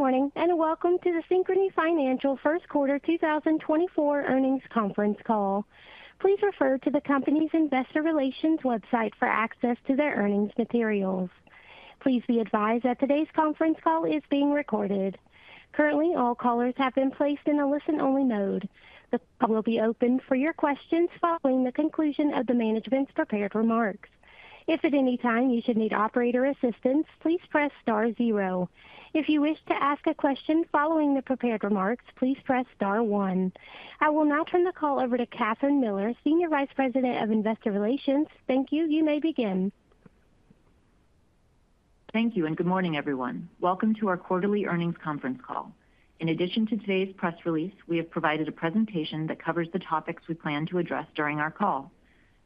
Good morning, and welcome to the Synchrony Financial 1Q 2024 earnings conference call. Please refer to the company's investor relations website for access to their earnings materials. Please be advised that today's conference call is being recorded. Currently, all callers have been placed in a listen-only mode. The call will be open for your questions following the conclusion of the management's prepared remarks. If at any time you should need operator assistance, please press star zero. If you wish to ask a question following the prepared remarks, please press star one. I will now turn the call over to Kathryn Miller, Senior Vice President of Investor Relations. Thank you. You may begin. Thank you, and good morning, everyone. Welcome to our quarterly earnings conference call. In addition to today's press release, we have provided a presentation that covers the topics we plan to address during our call.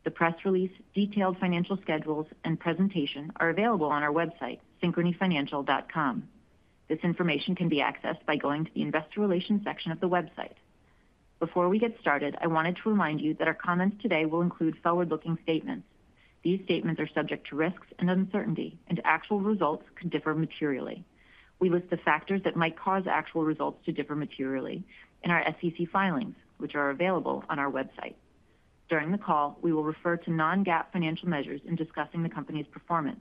The press release, detailed financial schedules, and presentation are available on our website, synchronyfinancial.com. This information can be accessed by going to the Investor Relations section of the website. Before we get started, I wanted to remind you that our comments today will include forward-looking statements. These statements are subject to risks and uncertainty, and actual results could differ materially. We list the factors that might cause actual results to differ materially in our SEC filings, which are available on our website. During the call, we will refer to non-GAAP financial measures in discussing the company's performance.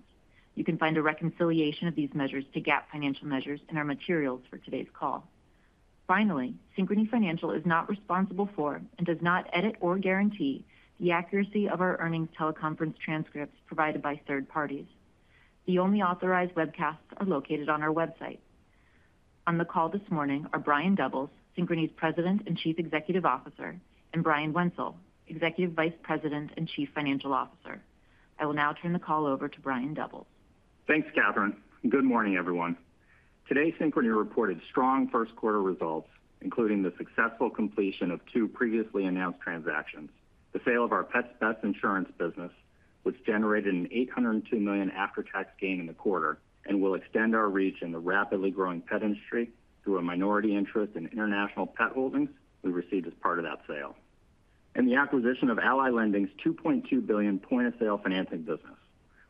You can find a reconciliation of these measures to GAAP financial measures in our materials for today's call. Finally, Synchrony Financial is not responsible for and does not edit or guarantee the accuracy of our earnings teleconference transcripts provided by third parties. The only authorized webcasts are located on our website. On the call this morning are Brian Doubles, Synchrony's President and Chief Executive Officer, and Brian Wenzel, Executive Vice President and Chief Financial Officer. I will now turn the call over to Brian Doubles. Thanks, Kathryn. Good morning, everyone. Today, Synchrony reported strong 1Q results, including the successful completion of two previously announced transactions. The sale of our Pets Best insurance business, which generated a $802 million after-tax gain in the quarter and will extend our reach in the rapidly growing pet industry through a minority interest in Independence Pet Holdings we received as part of that sale. In the acquisition of Ally Lending's $2.2 billion point-of-sale financing business,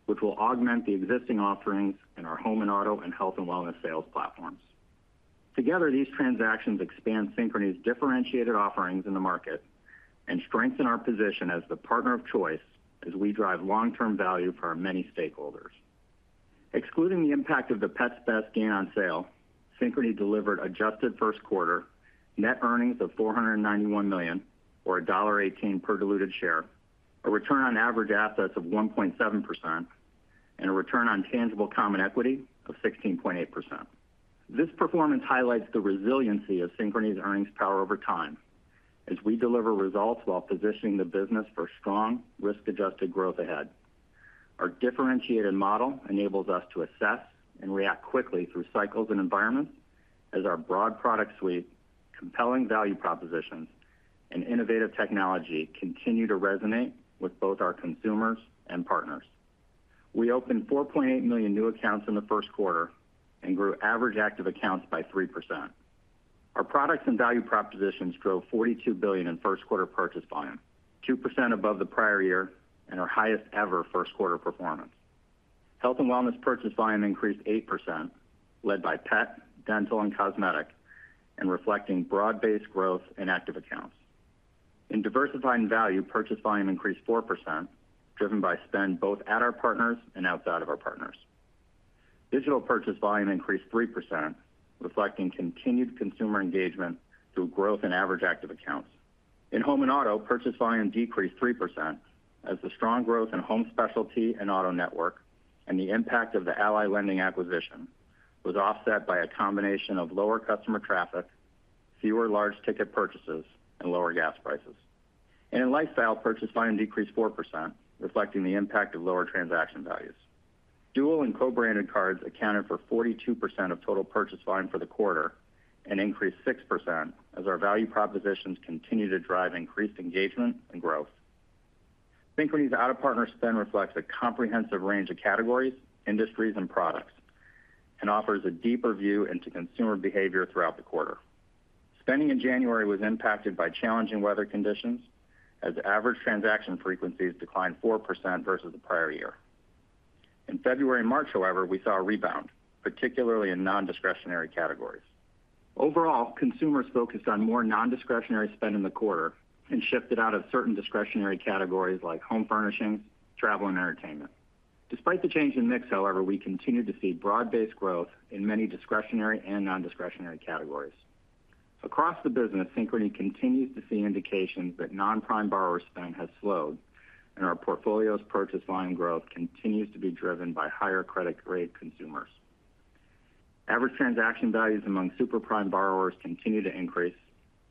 which will augment the existing offerings in our home and auto and health and wellness sales platforms. Together, these transactions expand Synchrony's differentiated offerings in the market and strengthen our position as the partner of choice as we drive long-term value for our many stakeholders. Excluding the impact of the Pets Best gain on sale, Synchrony delivered adjusted 1Q net earnings of $491 million, or $1.18 per diluted share, a return on average assets of 1.7%, and a return on tangible common equity of 16.8%. This performance highlights the resiliency of Synchrony's earnings power over time as we deliver results while positioning the business for strong risk-adjusted growth ahead. Our differentiated model enables us to assess and react quickly through cycles and environments as our broad product suite, compelling value propositions, and innovative technology continue to resonate with both our consumers and partners. We opened 4.8 million new accounts in the 1Q and grew average active accounts by 3%. Our products and value propositions drove $42 billion in 1Q purchase volume, 2% above the prior year and our highest ever 1Q performance. Health and wellness purchase volume increased 8%, led by pet, dental, and cosmetic, and reflecting broad-based growth in active accounts. In diversifying value, purchase volume increased 4%, driven by spend both at our partners and outside of our partners. Digital purchase volume increased 3%, reflecting continued consumer engagement through growth in average active accounts. In home and auto, purchase volume decreased 3% as the strong growth in home specialty and auto network and the impact of the Ally Lending acquisition was offset by a combination of lower customer traffic, fewer large ticket purchases, and lower gas prices. In lifestyle, purchase volume decreased 4%, reflecting the impact of lower transaction values. Dual and co-branded cards accounted for 42% of total purchase volume for the quarter and increased 6% as our value propositions continue to drive increased engagement and growth. Synchrony's out-of-partner spend reflects a comprehensive range of categories, industries, and products and offers a deeper view into consumer behavior throughout the quarter. Spending in January was impacted by challenging weather conditions as average transaction frequencies declined 4% versus the prior year. In February and March, however, we saw a rebound, particularly in non-discretionary categories. Overall, consumers focused on more non-discretionary spend in the quarter and shifted out of certain discretionary categories like home furnishings, travel, and entertainment. Despite the change in mix, however, we continued to see broad-based growth in many discretionary and non-discretionary categories. Across the business, Synchrony continues to see indications that non-prime borrower spend has slowed, and our portfolio's purchase volume growth continues to be driven by higher credit grade consumers. Average transaction values among super prime borrowers continue to increase,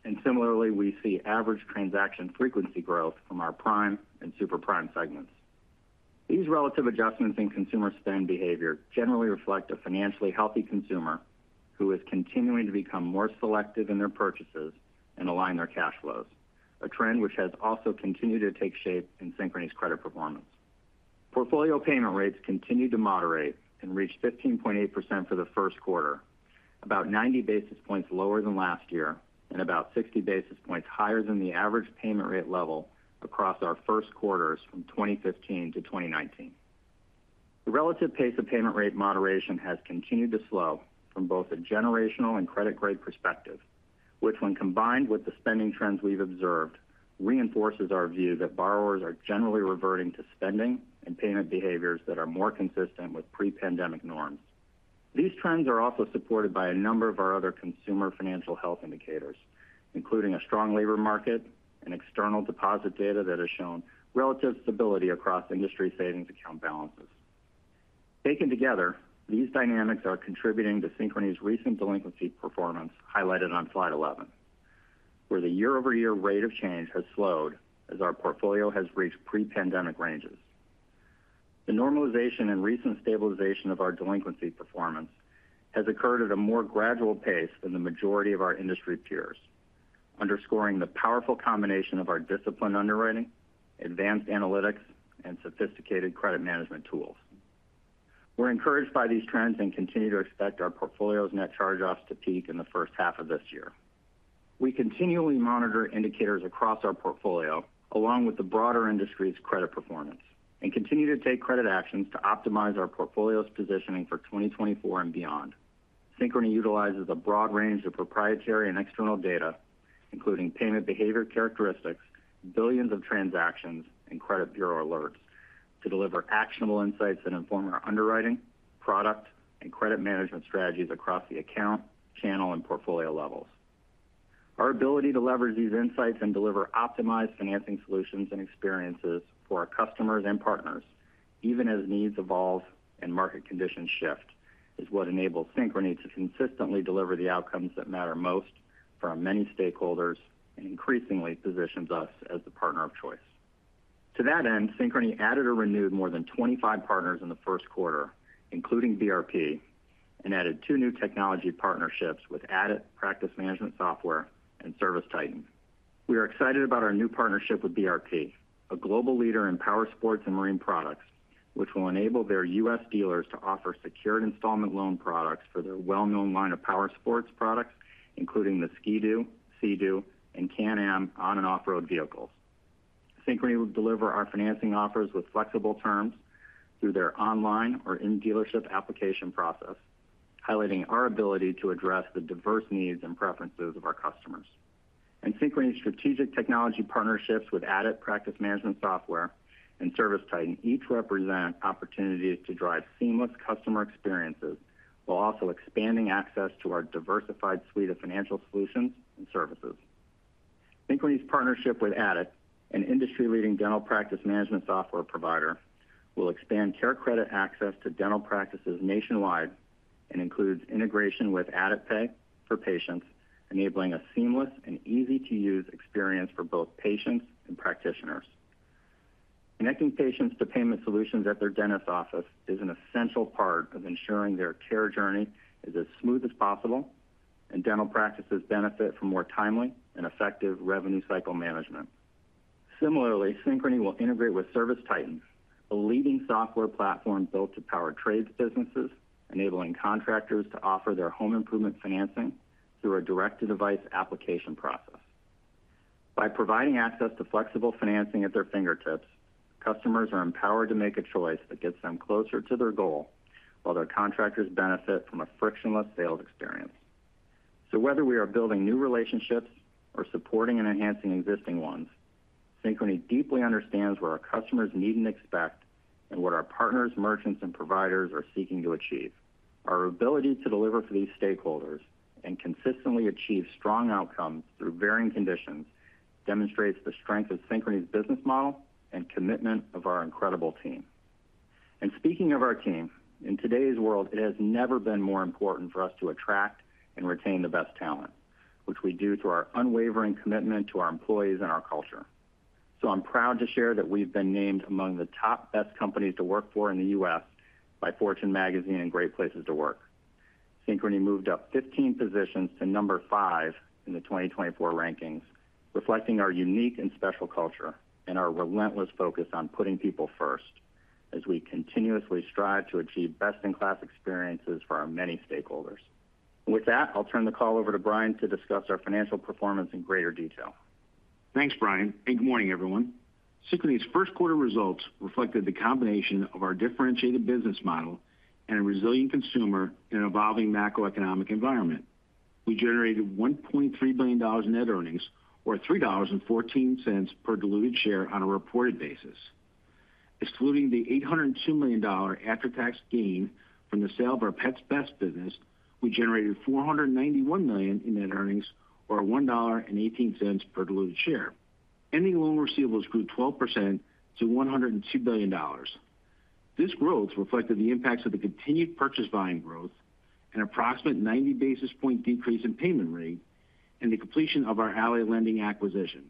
and similarly, we see average transaction frequency growth from our prime and super prime segments. These relative adjustments in consumer spend behavior generally reflect a financially healthy consumer who is continuing to become more selective in their purchases and align their cash flows, a trend which has also continued to take shape in Synchrony's credit performance. Portfolio payment rates continued to moderate and reached 15.8% for the 1Q, about 90 basis points lower than last year and about 60 basis points higher than the average payment rate level across our 1Qs from 2015 to 2019. The relative pace of payment rate moderation has continued to slow from both a generational and credit grade perspective, which, when combined with the spending trends we've observed, reinforces our view that borrowers are generally reverting to spending and payment behaviors that are more consistent with pre-pandemic norms. These trends are also supported by a number of our other consumer financial health indicators, including a strong labor market and external deposit data that has shown relative stability across industry savings account balances. Taken together, these dynamics are contributing to Synchrony's recent delinquency performance, highlighted on slide 11, where the year-over-year rate of change has slowed as our portfolio has reached pre-pandemic ranges. The normalization and recent stabilization of our delinquency performance has occurred at a more gradual pace than the majority of our industry peers, underscoring the powerful combination of our disciplined underwriting, advanced analytics, and sophisticated credit management tools. We're encouraged by these trends and continue to expect our portfolio's net charge-offs to peak in the H1 of this year. We continually monitor indicators across our portfolio, along with the broader industry's credit performance, and continue to take credit actions to optimize our portfolio's positioning for 2024 and beyond. Synchrony utilizes a broad range of proprietary and external data, including payment behavior characteristics, billions of transactions, and credit bureau alerts, to deliver actionable insights that inform our underwriting, product, and credit management strategies across the account, channel, and portfolio levels. Our ability to leverage these insights and deliver optimized financing solutions and experiences for our customers and partners, even as needs evolve and market conditions shift, is what enables Synchrony to consistently deliver the outcomes that matter most for our many stakeholders and increasingly positions us as the partner of choice. To that end, Synchrony added or renewed more than 25 partners in the 1Q, including BRP, and added 2 new technology partnerships with Adit Practice Management Software and ServiceTitan. We are excited about our new partnership with BRP, a global leader in power sports and marine products, which will enable their US dealers to offer secured installment loan products for their well-known line of power sports products, including the Ski-Doo, Sea-Doo, and Can-Am on- and off-road vehicles. Synchrony will deliver our financing offers with flexible terms through their online or in-dealership application process, highlighting our ability to address the diverse needs and preferences of our customers. And Synchrony's strategic technology partnerships with Adit Practice Management Software and ServiceTitan each represent opportunities to drive seamless customer experiences while also expanding access to our diversified suite of financial solutions and services. Synchrony's partnership with Addit, an industry-leading dental practice management software provider, will expand CareCredit access to dental practices nationwide and includes integration with AditPay for patients, enabling a seamless and easy-to-use experience for both patients and practitioners. Connecting patients to payment solutions at their dentist's office is an essential part of ensuring their care journey is as smooth as possible, and dental practices benefit from more timely and effective revenue cycle management. Similarly, Synchrony will integrate with ServiceTitan, a leading software platform built to power trades businesses, enabling contractors to offer their home improvement financing through a direct-to-device application process. By providing access to flexible financing at their fingertips, customers are empowered to make a choice that gets them closer to their goal, while their contractors benefit from a frictionless sales experience. Whether we are building new relationships or supporting and enhancing existing ones, Synchrony deeply understands what our customers need and expect and what our partners, merchants, and providers are seeking to achieve. Our ability to deliver for these stakeholders and consistently achieve strong outcomes through varying conditions demonstrates the strength of Synchrony's business model and commitment of our incredible team. Speaking of our team, in today's world, it has never been more important for us to attract and retain the best talent, which we do through our unwavering commitment to our employees and our culture. I'm proud to share that we've been named among the top best companies to work for in the U.S. by Fortune Magazine and Great Place to Work. Synchrony moved up 15 positions to number 5 in the 2024 rankings, reflecting our unique and special culture and our relentless focus on putting people first as we continuously strive to achieve best-in-class experiences for our many stakeholders. With that, I'll turn the call over to Brian to discuss our financial performance in greater detail. Thanks, Brian, and good morning, everyone. Synchrony's 1Q results reflected the combination of our differentiated business model and a resilient consumer in an evolving macroeconomic environment. We generated $1.3 billion in net earnings, or $3.14 per diluted share on a reported basis. Excluding the $802 million after-tax gain from the sale of our Pets Best business, we generated $491 million in net earnings, or $1.18 per diluted share. Ending loan receivables grew 12% to $102 billion. This growth reflected the impacts of the continued purchase volume growth, an approximate 90 basis point decrease in payment rate, and the completion of our Ally Lending acquisition.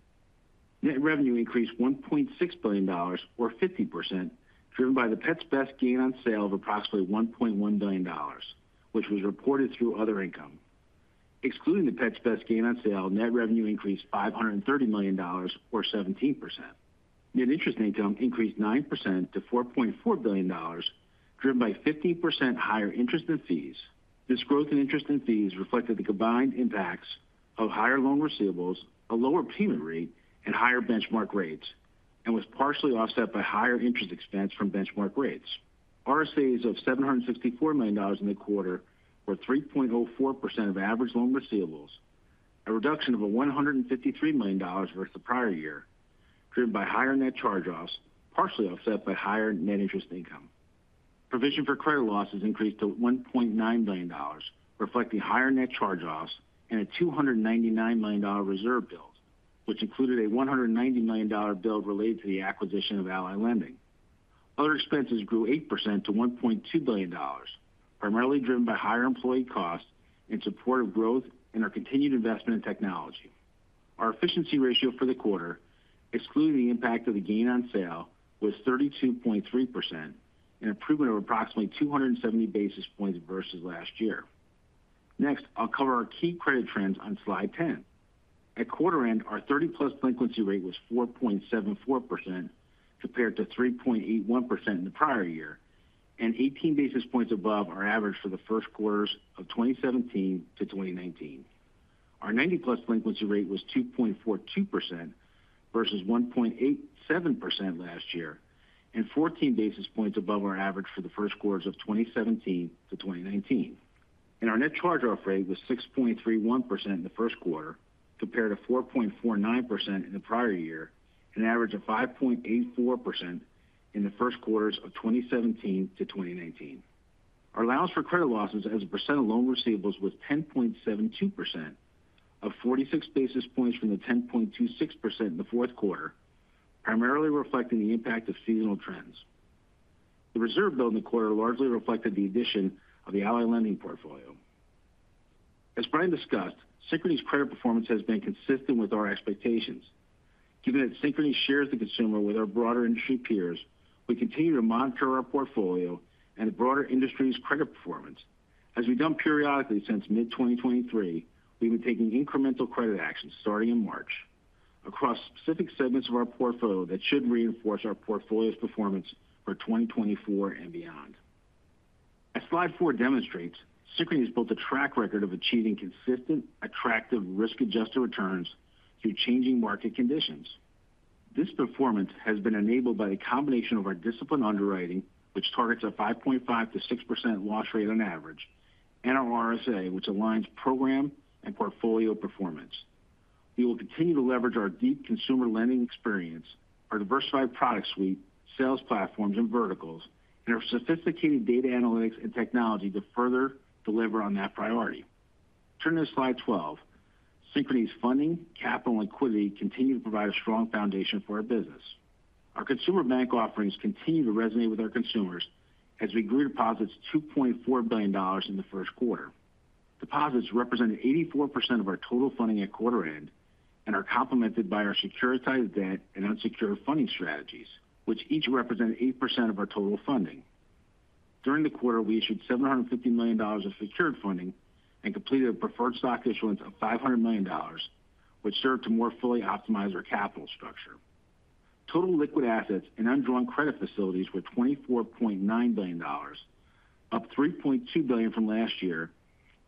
Net revenue increased $1.6 billion, or 50%, driven by the Pets Best gain on sale of approximately $1.1 billion, which was reported through other income. Excluding the Pets Best gain on sale, net revenue increased $530 million, or 17%. Net interest income increased 9% to $4.4 billion.... driven by 15% higher interest and fees. This growth in interest and fees reflected the combined impacts of higher loan receivables, a lower payment rate, and higher benchmark rates, and was partially offset by higher interest expense from benchmark rates. RSAs of $764 million in the quarter, or 3.04% of average loan receivables, a reduction of $153 million versus the prior year, driven by higher net charge-offs, partially offset by higher net interest income. Provision for credit losses increased to $1.9 billion, reflecting higher net charge-offs and a $299 million reserve build, which included a $190 million build related to the acquisition of Ally Lending. Other expenses grew 8% to $1.2 billion, primarily driven by higher employee costs in support of growth and our continued investment in technology. Our efficiency ratio for the quarter, excluding the impact of the gain on sale, was 32.3%, an improvement of approximately 270 basis points versus last year. Next, I'll cover our key credit trends on slide ten. At quarter end, our 30+ delinquency rate was 4.74% compared to 3.81% in the prior year, and 18 basis points above our average for the 1Qs of 2017 to 2019. Our 90+ delinquency rate was 2.42% versus 1.87% last year, and 14 basis points above our average for the 1Qs of 2017 to 2019. Our net charge-off rate was 6.31% in the 1Q, compared to 4.49% in the prior year, and an average of 5.84% in the 1Qs of 2017 to 2019. Our allowance for credit losses as a percent of loan receivables was 10.72%, up 46 basis points from the 10.26% in the 4Q, primarily reflecting the impact of seasonal trends. The reserve build in the quarter largely reflected the addition of the Ally Lending portfolio. As Brian discussed, Synchrony's credit performance has been consistent with our expectations. Given that Synchrony shares the consumer with our broader industry peers, we continue to monitor our portfolio and the broader industry's credit performance. As we've done periodically since mid-2023, we've been taking incremental credit actions starting in March, across specific segments of our portfolio that should reinforce our portfolio's performance for 2024 and beyond. As Slide 4 demonstrates, Synchrony has built a track record of achieving consistent, attractive, risk-adjusted returns through changing market conditions. This performance has been enabled by the combination of our disciplined underwriting, which targets a 5.5%-6% loss rate on average, and our RSA, which aligns program and portfolio performance. We will continue to leverage our deep consumer lending experience, our diversified product suite, sales platforms, and verticals, and our sophisticated data analytics and technology to further deliver on that priority. Turning to slide 12. Synchrony's funding, capital, and liquidity continue to provide a strong foundation for our business. Our consumer bank offerings continue to resonate with our consumers as we grew deposits to $2.4 billion in the 1Q. Deposits represented 84% of our total funding at quarter end, and are complemented by our securitized debt and unsecured funding strategies, which each represent 8% of our total funding. During the quarter, we issued $750 million of secured funding and completed a preferred stock issuance of $500 million, which served to more fully optimize our capital structure. Total liquid assets and undrawn credit facilities were $24.9 billion, up $3.2 billion from last year,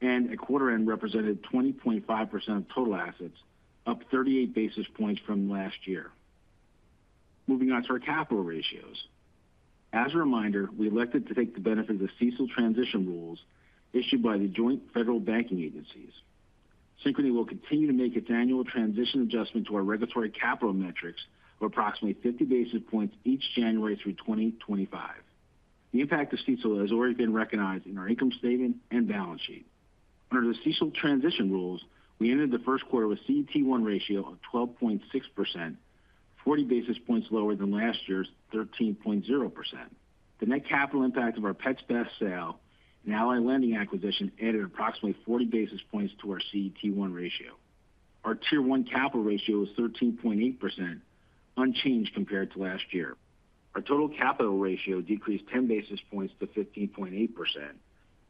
and at quarter end, represented 20.5% of total assets, up 38 basis points from last year. Moving on to our capital ratios. As a reminder, we elected to take the benefit of the CECL transition rules issued by the joint federal banking agencies. Synchrony will continue to make its annual transition adjustment to our regulatory capital metrics of approximately 50 basis points each January through 2025. The impact of CECL has already been recognized in our income statement and balance sheet. Under the CECL transition rules, we ended the 1Q with a CET1 ratio of 12.6%, 40 basis points lower than last year's 13.0%. The net capital impact of our Pets Best sale and Ally Lending acquisition added approximately 40 basis points to our CET1 ratio. Our Tier 1 capital ratio is 13.8%, unchanged compared to last year. Our total capital ratio decreased 10 basis points to 15.8%,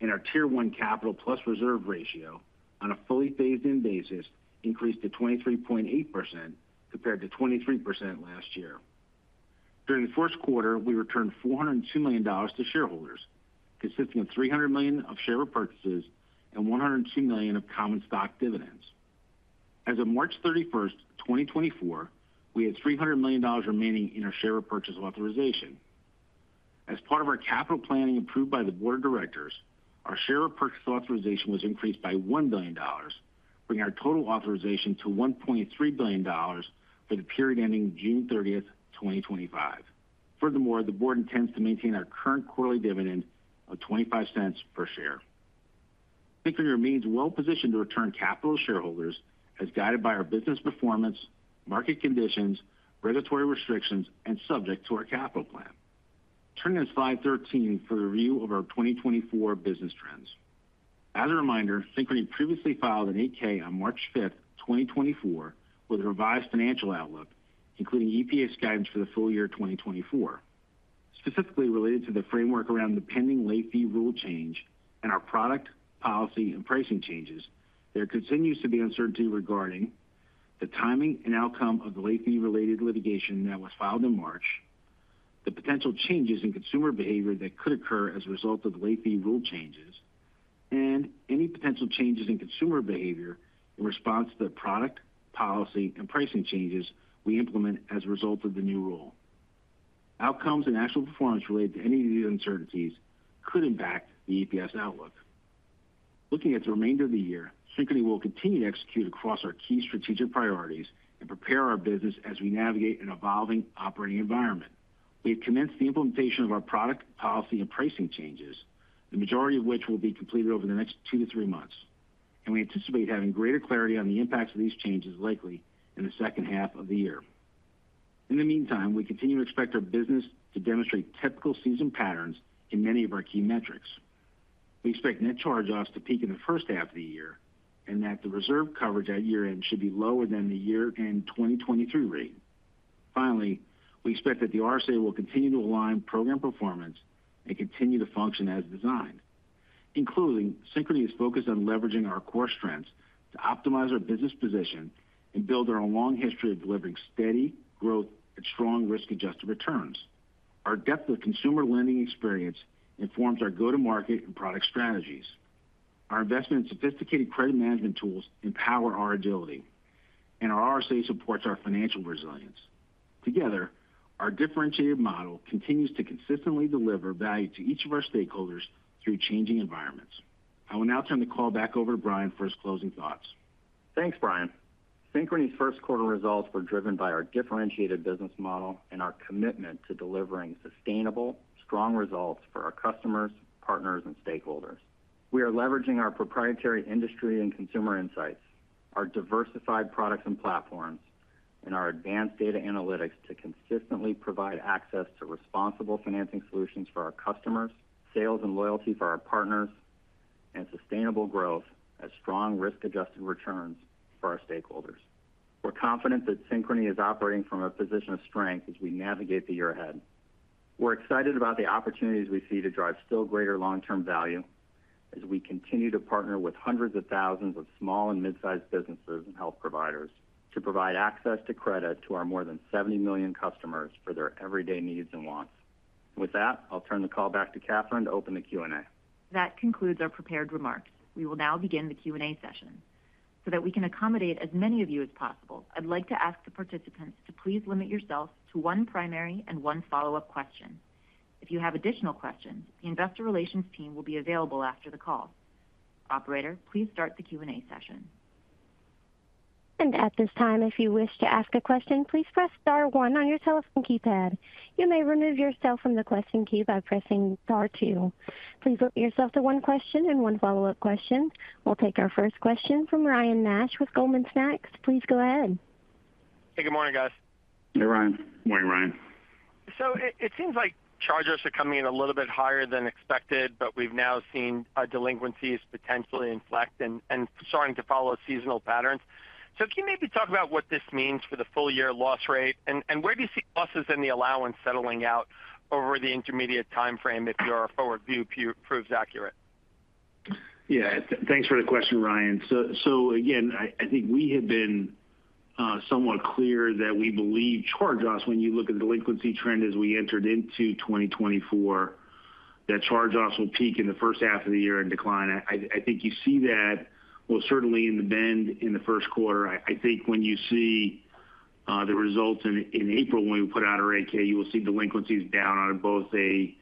and our Tier 1 capital plus reserve ratio, on a fully phased-in basis, increased to 23.8%, compared to 23% last year. During the 1Q, we returned $402 million to shareholders, consisting of $300 million of share repurchases and $102 million of common stock dividends. As of March 31, 2024, we had $300 million remaining in our share repurchase authorization. As part of our capital planning approved by the board of directors, our share repurchase authorization was increased by $1 billion, bringing our total authorization to $1.3 billion for the period ending June 30, 2025. Furthermore, the board intends to maintain our current quarterly dividend of $0.25 per share. Synchrony remains well positioned to return capital to shareholders as guided by our business performance, market conditions, regulatory restrictions, and subject to our capital plan. Turning to slide 13 for a review of our 2024 business trends. As a reminder, Synchrony previously filed an 8-K on March 5, 2024, with a revised financial outlook, including EPS guidance for the full year of 2024. Specifically related to the framework around the pending late fee rule change and our product, policy, and pricing changes, there continues to be uncertainty regarding the timing and outcome of the late fee-related litigation that was filed in March, the potential changes in consumer behavior that could occur as a result of late fee rule changes, and any potential changes in consumer behavior in response to the product, policy, and pricing changes we implement as a result of the new rule. Outcomes and actual performance related to any of these uncertainties could impact the EPS outlook. Looking at the remainder of the year, Synchrony will continue to execute across our key strategic priorities and prepare our business as we navigate an evolving operating environment. We have commenced the implementation of our product, policy, and pricing changes, the majority of which will be completed over the next 2-3 months, and we anticipate having greater clarity on the impacts of these changes likely in the second half of the year. In the meantime, we continue to expect our business to demonstrate typical season patterns in many of our key metrics. We expect net charge-offs to peak in the H1 of the year, and that the reserve coverage at year-end should be lower than the year-end 2023 rate. Finally, we expect that the RSA will continue to align program performance and continue to function as designed. Including, Synchrony is focused on leveraging our core strengths to optimize our business position and build on our long history of delivering steady growth and strong risk-adjusted returns. Our depth of consumer lending experience informs our go-to-market and product strategies. Our investment in sophisticated credit management tools empowers our agility, and our RSA supports our financial resilience. Together, our differentiated model continues to consistently deliver value to each of our stakeholders through changing environments. I will now turn the call back over to Brian for his closing thoughts. Thanks, Brian. Synchrony's 1Q results were driven by our differentiated business model and our commitment to delivering sustainable, strong results for our customers, partners, and stakeholders. We are leveraging our proprietary industry and consumer insights, our diversified products and platforms, and our advanced data analytics to consistently provide access to responsible financing solutions for our customers, sales and loyalty for our partners, and sustainable growth as strong risk-adjusted returns for our stakeholders. We're confident that Synchrony is operating from a position of strength as we navigate the year ahead. We're excited about the opportunities we see to drive still greater long-term value as we continue to partner with hundreds of thousands of small and mid-sized businesses and health providers to provide access to credit to our more than 70 million customers for their everyday needs and wants. With that, I'll turn the call back to Kathryn to open the Q&A. That concludes our prepared remarks. We will now begin the Q&A session. So that we can accommodate as many of you as possible, I'd like to ask the participants to please limit yourself to one primary and one follow-up question. If you have additional questions, the investor relations team will be available after the call. Operator, please start the Q&A session. At this time, if you wish to ask a question, please press star one on your telephone keypad. You may remove yourself from the question queue by pressing star two. Please limit yourself to one question and one follow-up question. We'll take our first question from Ryan Nash with Goldman Sachs. Please go ahead. Hey, good morning, guys. Hey, Ryan. Morning, Ryan. So it, it seems like charge-offs are coming in a little bit higher than expected, but we've now seen, delinquencies potentially inflect and, and starting to follow seasonal patterns. So can you maybe talk about what this means for the full year loss rate? And, and where do you see losses in the allowance settling out over the intermediate time frame if your forward view proves accurate? Yeah, thanks for the question, Ryan. So again, I think we have been somewhat clear that we believe charge-offs, when you look at the delinquency trend as we entered into 2024, that charge-offs will peak in the H1 of the year and decline. I think you see that, well, certainly in the bend in the 1Q. I think when you see the results in April when we put out our 8-K, you will see delinquencies down on both a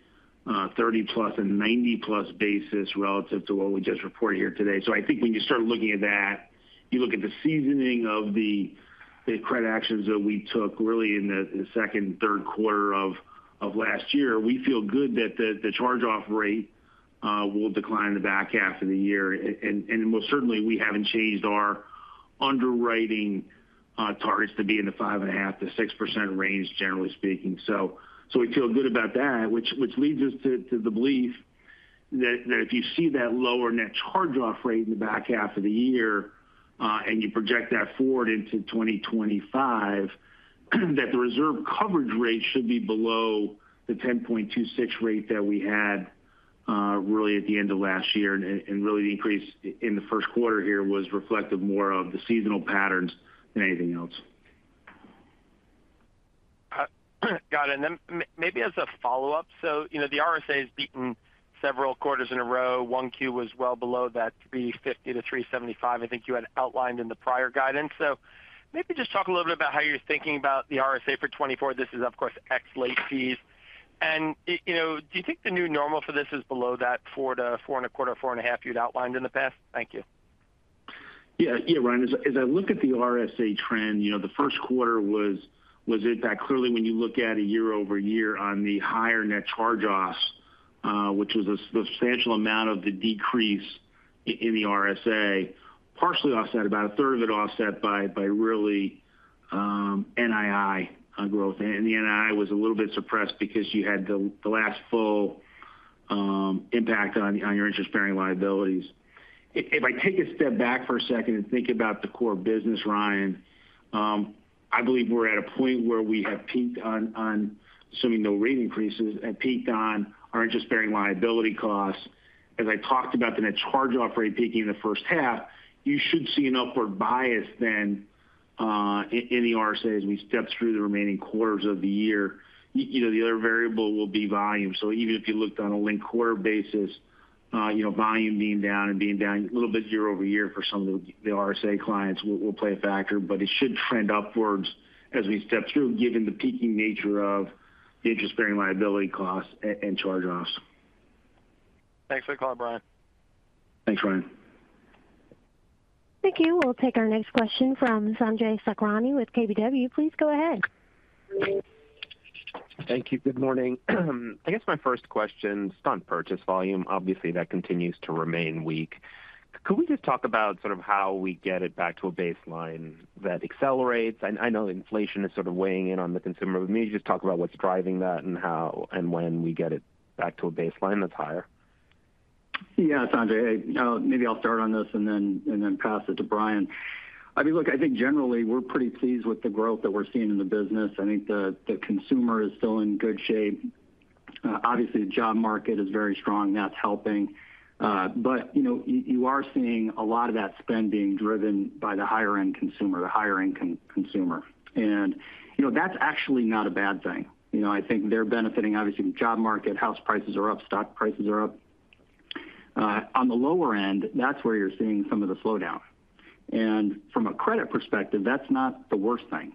30+ and 90+ basis relative to what we just reported here today. So I think when you start looking at that, you look at the seasoning of the credit actions that we took really in the second, 3Q of last year, we feel good that the charge-off rate will decline in the back half of the year. And most certainly, we haven't changed our underwriting targets to be in the 5.5%-6% range, generally speaking. So we feel good about that, which leads us to the belief that if you see that lower net charge-off rate in the back half of the year and you project that forward into 2025, that the reserve coverage rate should be below the 10.26% rate that we had really at the end of last year. Really, the increase in the 1Q here was reflective more of the seasonal patterns than anything else. Got it. And then maybe as a follow-up: so, you know, the RSA has beaten several quarters in a row. One Q was well below that 3.50%-3.75%, I think you had outlined in the prior guidance. So maybe just talk a little bit about how you're thinking about the RSA for 2024. This is, of course, ex late fees. And, you know, do you think the new normal for this is below that 4% to 4.25%, 4.5% you'd outlined in the past? Thank you. Yeah. Yeah, Ryan, as I look at the RSA trend, you know, the 1Q was impact. Clearly, when you look at it year over year on the higher net charge-offs, which was a substantial amount of the decrease in the RSA, partially offset, about a third of it offset by really NII growth. And the NII was a little bit suppressed because you had the last full impact on your interest-bearing liabilities. If I take a step back for a second and think about the core business, Ryan-... I believe we're at a point where we have peaked on assuming no rate increases, and peaked on our interest-bearing liability costs. As I talked about the net charge-off rate peaking in the H1, you should see an upward bias then in the RSA as we step through the remaining quarters of the year. You know, the other variable will be volume. So even if you looked on a linked-quarter basis, you know, volume being down and being down a little bit year-over-year for some of the RSA clients will play a factor. But it should trend upwards as we step through, given the peaking nature of the interest-bearing liability costs and charge-offs. Thanks for the call, Brian. Thanks, Ryan. Thank you. We'll take our next question from Sanjay Sakhrani with KBW. Please go ahead. Thank you. Good morning. I guess my first question is on purchase volume. Obviously, that continues to remain weak. Could we just talk about sort of how we get it back to a baseline that accelerates? I, I know inflation is sort of weighing in on the consumer. But maybe just talk about what's driving that and how and when we get it back to a baseline that's higher. Yeah, Sanjay, maybe I'll start on this and then pass it to Brian. I mean, look, I think generally we're pretty pleased with the growth that we're seeing in the business. I think the consumer is still in good shape. Obviously, the job market is very strong, that's helping. But, you know, you are seeing a lot of that spend being driven by the higher-end consumer. And, you know, that's actually not a bad thing. You know, I think they're benefiting, obviously, the job market, house prices are up, stock prices are up. On the lower end, that's where you're seeing some of the slowdown. And from a credit perspective, that's not the worst thing.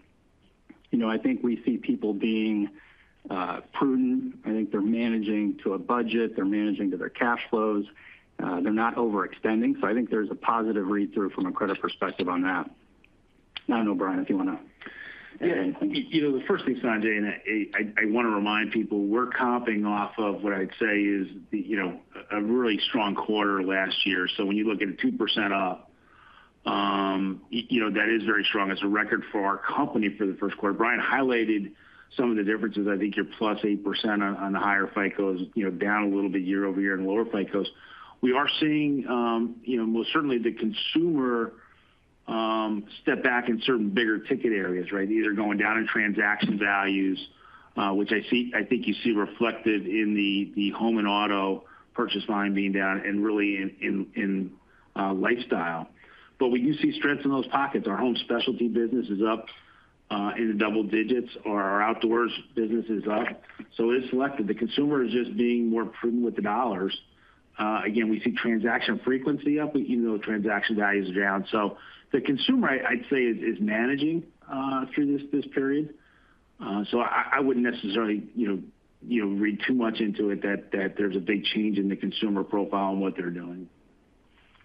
You know, I think we see people being prudent. I think they're managing to a budget, they're managing to their cash flows, they're not overextending. So I think there's a positive read-through from a credit perspective on that. I don't know, Brian, if you want to- Yeah. You know, the first thing, Sanjay, and I want to remind people, we're coming off of what I'd say is the, you know, a really strong quarter last year. So when you look at a 2% up, you know, that is very strong. It's a record for our company for the 1Q. Brian highlighted some of the differences. I think you're +8% on the higher FICOs, you know, down a little bit year-over-year in the lower FICOs. We are seeing, you know, most certainly the consumer step back in certain bigger ticket areas, right? Either going down in transaction values, which I see, I think you see reflected in the home and auto purchase volume being down and really in lifestyle. But when you see strengths in those pockets, our home specialty business is up in the double digits, or our outdoors business is up, so it is selected. The consumer is just being more prudent with the dollars. Again, we see transaction frequency up, but even though transaction value is down. So the consumer, I'd say, is managing through this period. So I wouldn't necessarily, you know, read too much into it, that there's a big change in the consumer profile and what they're doing.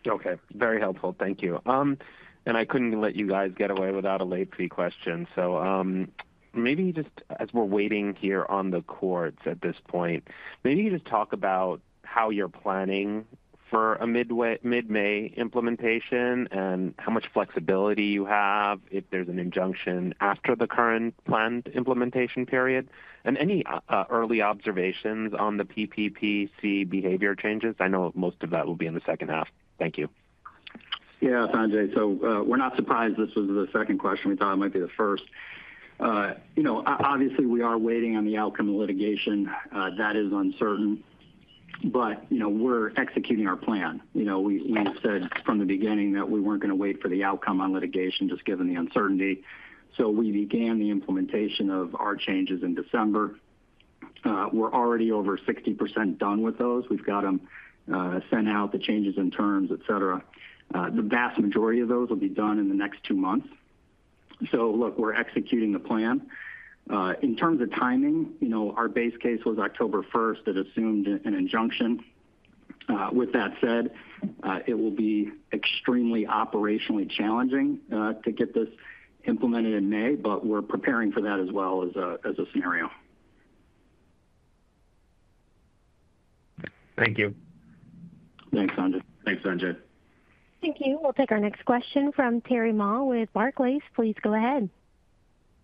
Okay. Very helpful. Thank you. And I couldn't let you guys get away without a late fee question. So, maybe just as we're waiting here on the courts at this point, maybe you just talk about how you're planning for a mid-May implementation, and how much flexibility you have if there's an injunction after the current planned implementation period, and any early observations on the PPPC behavior changes? I know most of that will be in the H2 Thank you. Yeah, Sanjay. So, we're not surprised this was the second question. We thought it might be the first. You know, obviously, we are waiting on the outcome of litigation that is uncertain, but, you know, we're executing our plan. You know, we, we've said from the beginning that we weren't going to wait for the outcome on litigation, just given the uncertainty. So we began the implementation of our changes in December. We're already over 60% done with those. We've got them sent out, the changes in terms, et cetera. The vast majority of those will be done in the next two months. So look, we're executing the plan. In terms of timing, you know, our base case was October first. It assumed an injunction. With that said, it will be extremely operationally challenging to get this implemented in May, but we're preparing for that as well as a scenario. Thank you. Thanks, Sanjay. Thanks, Sanjay. Thank you. We'll take our next question from Terry Ma with Barclays. Please go ahead.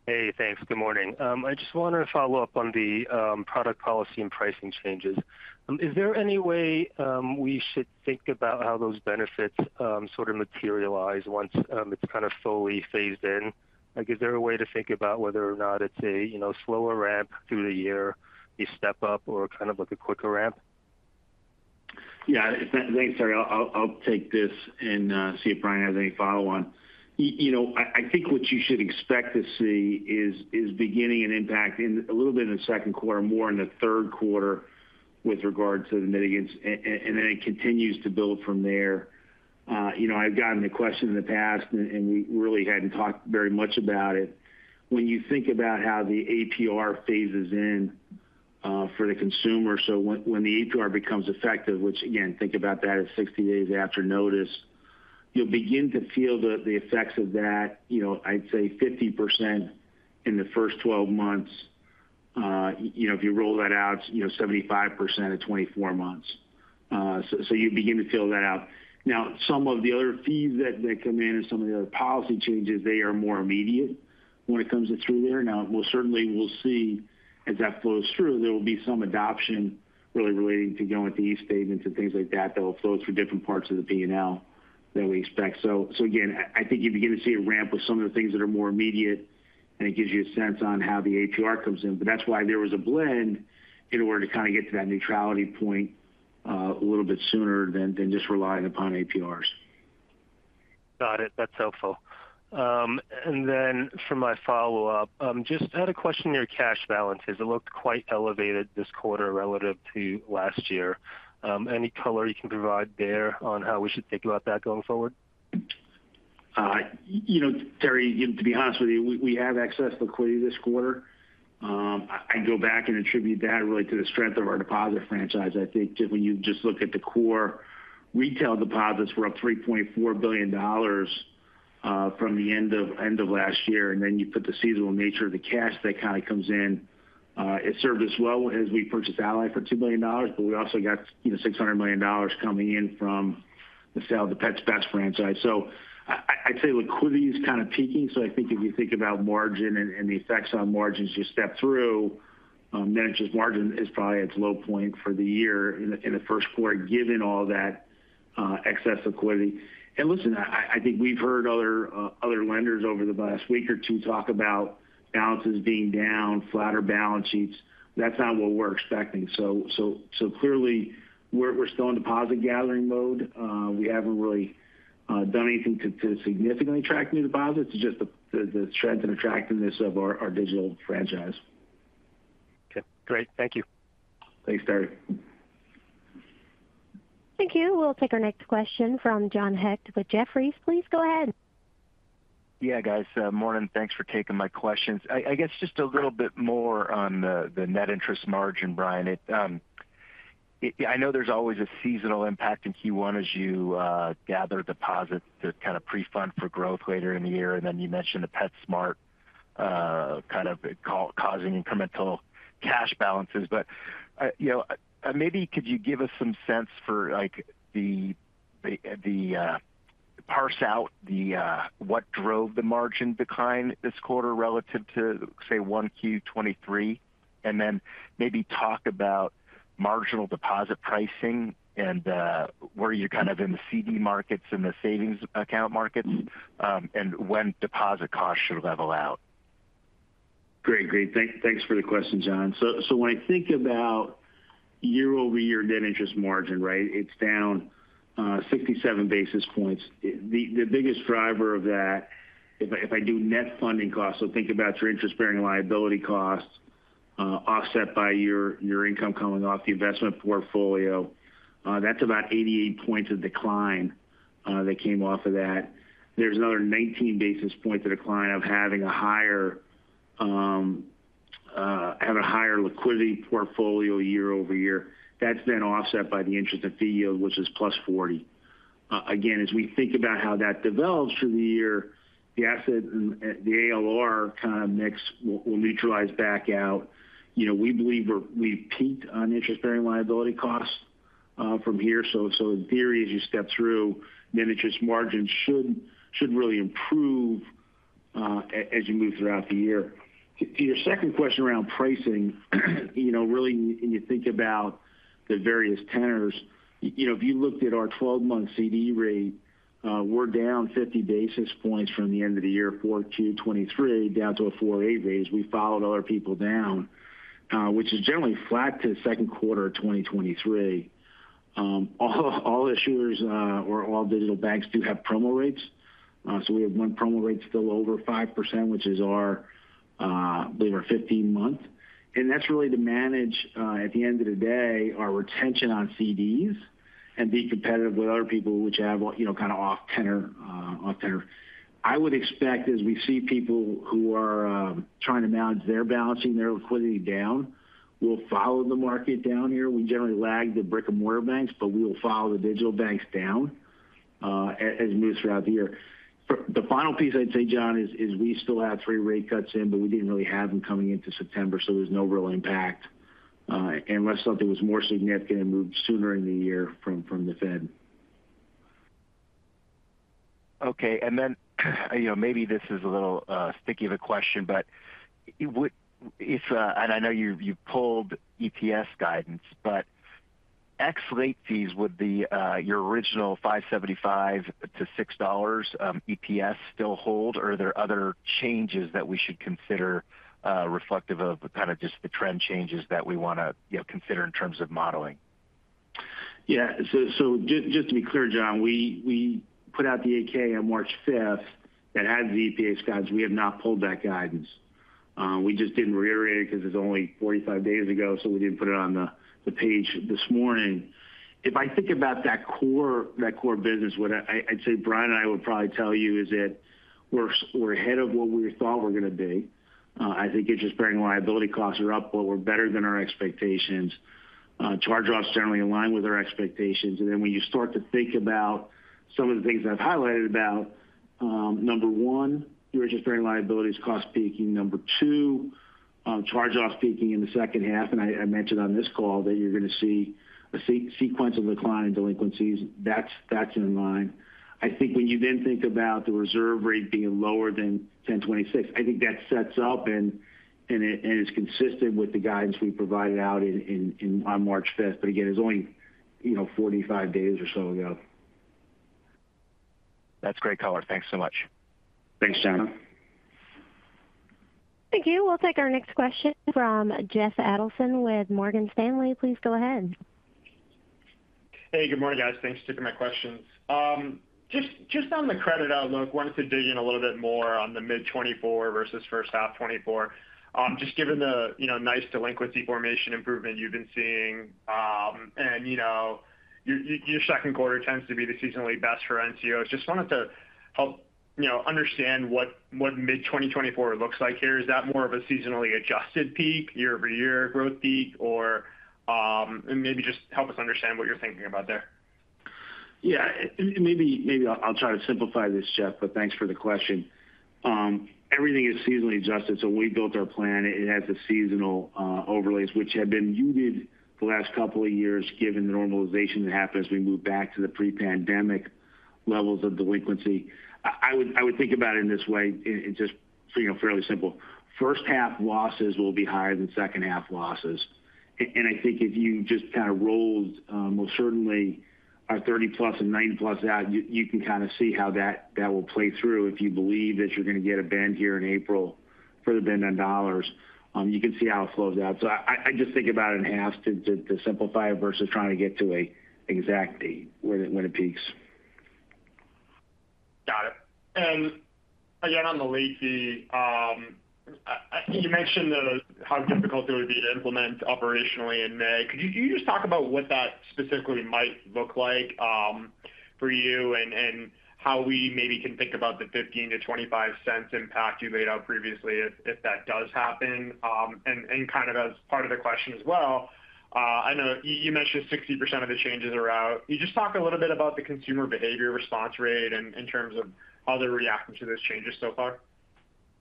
Hey, thanks. Good morning. I just wanted to follow up on the product policy and pricing changes. Is there any way we should think about how those benefits sort of materialize once it's kind of fully phased in? Like, is there a way to think about whether or not it's a, you know, slower ramp through the year, a step up, or kind of like a quicker ramp? Yeah, thanks, Terry. I'll take this and see if Brian has any follow on. You know, I think what you should expect to see is beginning an impact in a little bit in the second quarter, more in the 3Q with regard to the mitigants, and then it continues to build from there. You know, I've gotten the question in the past, and we really hadn't talked very much about it. When you think about how the APR phases in for the consumer, so when the APR becomes effective, which again, think about that as 60 days after notice, you'll begin to feel the effects of that, you know, I'd say 50% in the first 12 months. You know, if you roll that out, you know, 75% in 24 months. So you begin to feel that out. Now, some of the other fees that come in and some of the other policy changes, they are more immediate when it comes through there. Now, we'll see as that flows through, there will be some adoption really relating to going to the e-statements and things like that, that will flow through different parts of the P&L than we expect. So again, I think you begin to see a ramp of some of the things that are more immediate-... and it gives you a sense on how the APR comes in. But that's why there was a blend in order to kind of get to that neutrality point, a little bit sooner than just relying upon APRs. Got it. That's helpful. And then for my follow-up, just I had a question on your cash balances. It looked quite elevated this quarter relative to last year. Any color you can provide there on how we should think about that going forward? You know, Terry, you know, to be honest with you, we have excess liquidity this quarter. I'd go back and attribute that really to the strength of our deposit franchise. I think that when you just look at the core retail deposits, we're up $3.4 billion from the end of last year, and then you put the seasonal nature of the cash that kind of comes in. It served us well as we purchased Ally for $2 billion, but we also got, you know, $600 million coming in from the sale of the Pets Best franchise. So I'd say liquidity is kind of peaking, so I think if you think about margin and the effects on margins you step through, net interest margin is probably its low point for the year in the 1Q, given all that, excess liquidity. And listen, I think we've heard other lenders over the last week or two talk about balances being down, flatter balance sheets. That's not what we're expecting. So clearly, we're still in deposit-gathering mode. We haven't really done anything to significantly attract new deposits. It's just the strength and attractiveness of our digital franchise. Okay, great. Thank you. Thanks, Terry. Thank you. We'll take our next question from John Hecht with Jefferies. Please go ahead. Yeah, guys. Morning, thanks for taking my questions. I guess just a little bit more on the net interest margin, Brian. I know there's always a seasonal impact in Q1 as you gather deposits to kind of pre-fund for growth later in the year, and then you mentioned the PetSmart kind of causing incremental cash balances. But you know, maybe could you give us some sense for, like, parse out the what drove the margin decline this quarter relative to, say, Q1 2023? And then maybe talk about marginal deposit pricing and where you're kind of in the CD markets and the savings account markets, and when deposit costs should level out. Great. Great. Thanks for the question, John. So, when I think about year-over-year net interest margin, right? It's down 67 basis points. The biggest driver of that, if I do net funding costs, so think about your interest-bearing liability costs, offset by your income coming off the investment portfolio, that's about 88 points of decline that came off of that. There's another 19 basis points of decline from having a higher liquidity portfolio year over year. That's then offset by the interest fee yield, which is +40. Again, as we think about how that develops through the year, the asset and the ALR kind of mix will neutralize back out. You know, we believe we've peaked on interest-bearing liability costs from here. So in theory, as you step through, net interest margins should really improve as you move throughout the year. To your second question around pricing, you know, really, when you think about the various tenors, you know, if you looked at our 12-month CD rate, we're down 50 basis points from the end of the year, 4Q 2023, down to a 4% rate. We followed other people down, which is generally flat to the second quarter of 2023. All issuers or all digital banks do have promo rates. So we have one promo rate still over 5%, which is our, I believe, our 15-month. That's really to manage at the end of the day, our retention on CDs and be competitive with other people which have what, you know, kind of off tenner, off tenner. I would expect, as we see people who are trying to manage their balancing, their liquidity down, we'll follow the market down here. We generally lag the brick-and-mortar banks, but we will follow the digital banks down, as we move throughout the year. The final piece I'd say, John, is we still have three rate cuts in, but we didn't really have them coming into September, so there's no real impact, unless something was more significant and moved sooner in the year from the Fed. Okay. And then, you know, maybe this is a little sticky of a question, but it would- if... and I know you've pulled EPS guidance, but ex late fees, would the your original $5.75-$6 EPS still hold, or are there other changes that we should consider reflective of kind of just the trend changes that we want to, you know, consider in terms of modeling? Yeah. So, just to be clear, John, we put out the 8-K on March fifth that had the EPS guidance. We have not pulled that guidance. We just didn't reiterate it because it's only 45 days ago, so we didn't put it on the page this morning. If I think about that core business, what I'd say Brian and I would probably tell you is that we're ahead of what we thought we were going to be. I think interest-bearing liability costs are up, but we're better than our expectations. Charge-offs generally align with our expectations. And then when you start to think about some of the things I've highlighted about, number one, the interest-bearing liabilities cost peaking. Number two, charge-off peaking in the second half, and I mentioned on this call that you're going to see a sequence of decline in delinquencies. That's in line. I think when you then think about the reserve rate being lower than 10.26, I think that sets up and it's consistent with the guidance we provided out on March fifth. But again, it's only, you know, 45 days or so ago. That's great color. Thanks so much. Thanks, John. Thank you. We'll take our next question from Jeff Adelson with Morgan Stanley. Please go ahead. Hey, good morning, guys. Thanks for taking my questions. Just, just on the credit outlook, wanted to dig in a little bit more on the mid-2024 versus H1 2024. Just given the, you know, nice delinquency formation improvement you've been seeing, and, you know, your, your second quarter tends to be the seasonally best for NCO. Just wanted to help, you know, understand what, what mid 2024 looks like here. Is that more of a seasonally adjusted peak, year-over-year growth peak, or, and maybe just help us understand what you're thinking about there? Yeah, maybe, maybe I'll try to simplify this, Jeff, but thanks for the question. Everything is seasonally adjusted, so we built our plan. It has the seasonal overlays, which have been muted the last couple of years, given the normalization that happened as we moved back to the pre-pandemic levels of delinquency. I would think about it in this way, and just so you know, fairly simple. H1 losses will be higher than second half losses. And I think if you just kind of rolled most certainly our 30+ and 90+ out, you can kind of see how that will play through. If you believe that you're going to get a bend here in April for the bend on dollars, you can see how it flows out. So I just think about it in halves to simplify it versus trying to get to an exact date when it peaks. Got it. And again, on the late fee, you mentioned how difficult it would be to implement operationally in May. Could you just talk about what that specifically might look like, for you, and how we maybe can think about the $0.15-$0.25 impact you laid out previously, if that does happen? And kind of as part of the question as well, I know you mentioned 60% of the changes are out. Can you just talk a little bit about the consumer behavior response rate in terms of how they're reacting to those changes so far?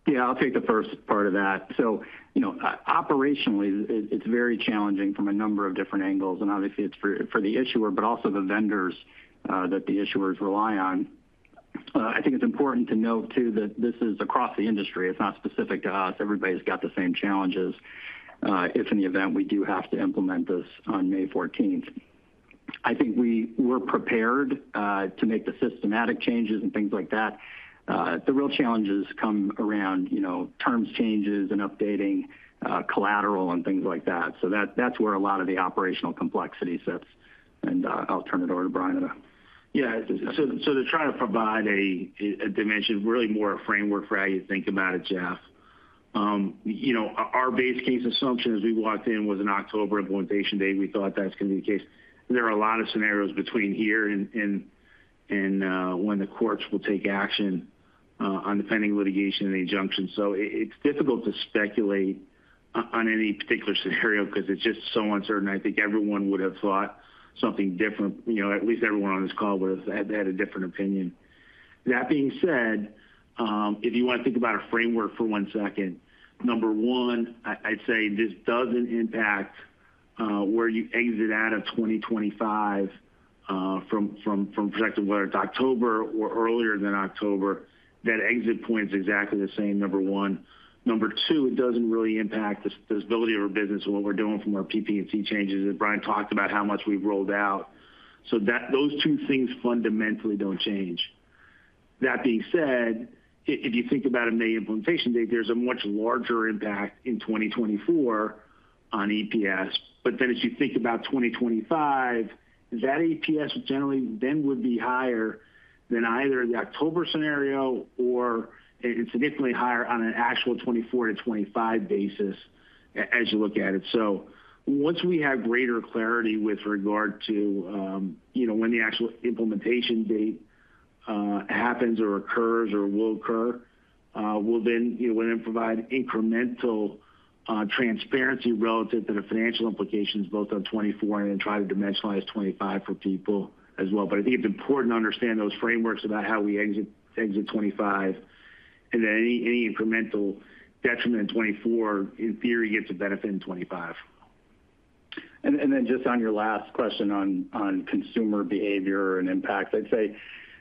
Yeah, I'll take the first part of that. So you know, operationally, it's very challenging from a number of different angles, and obviously it's for the issuer, but also the vendors that the issuers rely on. I think it's important to note, too, that this is across the industry. It's not specific to us. Everybody's got the same challenges if in the event we do have to implement this on May fourteenth. I think we were prepared to make the systematic changes and things like that. The real challenges come around, you know, terms changes and updating collateral and things like that. So that's where a lot of the operational complexity sits, and I'll turn it over to Brian. Yeah. So to try to provide a dimension, really more a framework for how you think about it, Jeff. You know, our base case assumption as we walked in was an October implementation date. We thought that's going to be the case. There are a lot of scenarios between here and when the courts will take action on defending litigation and injunction. So it's difficult to speculate on any particular scenario because it's just so uncertain. I think everyone would have thought something different. You know, at least everyone on this call would have had a different opinion. That being said, if you want to think about a framework for one second, number one, I'd say this doesn't impact where you exit out of 2025, from the perspective of whether it's October or earlier than October. That exit point is exactly the same, number one. Number two, it doesn't really impact the stability of our business and what we're doing from our PP and C changes. And Brian talked about how much we've rolled out, so that those two things fundamentally don't change. That being said, if you think about a May implementation date, there's a much larger impact in 2024 on EPS. But then as you think about 2025, that EPS generally then would be higher than either the October scenario or it's significantly higher on an actual 2024 to 2025 basis as you look at it. So once we have greater clarity with regard to, you know, when the actual implementation date happens or occurs or will occur, we'll then, you know, we'll then provide incremental transparency relative to the financial implications both on 2024 and then try to dimensionalize 2025 for people as well. But I think it's important to understand those frameworks about how we exit, exit 2025, and then any, any incremental detriment in 2024, in theory, gets a benefit in 2025. And then just on your last question on consumer behavior and impact, I'd say, you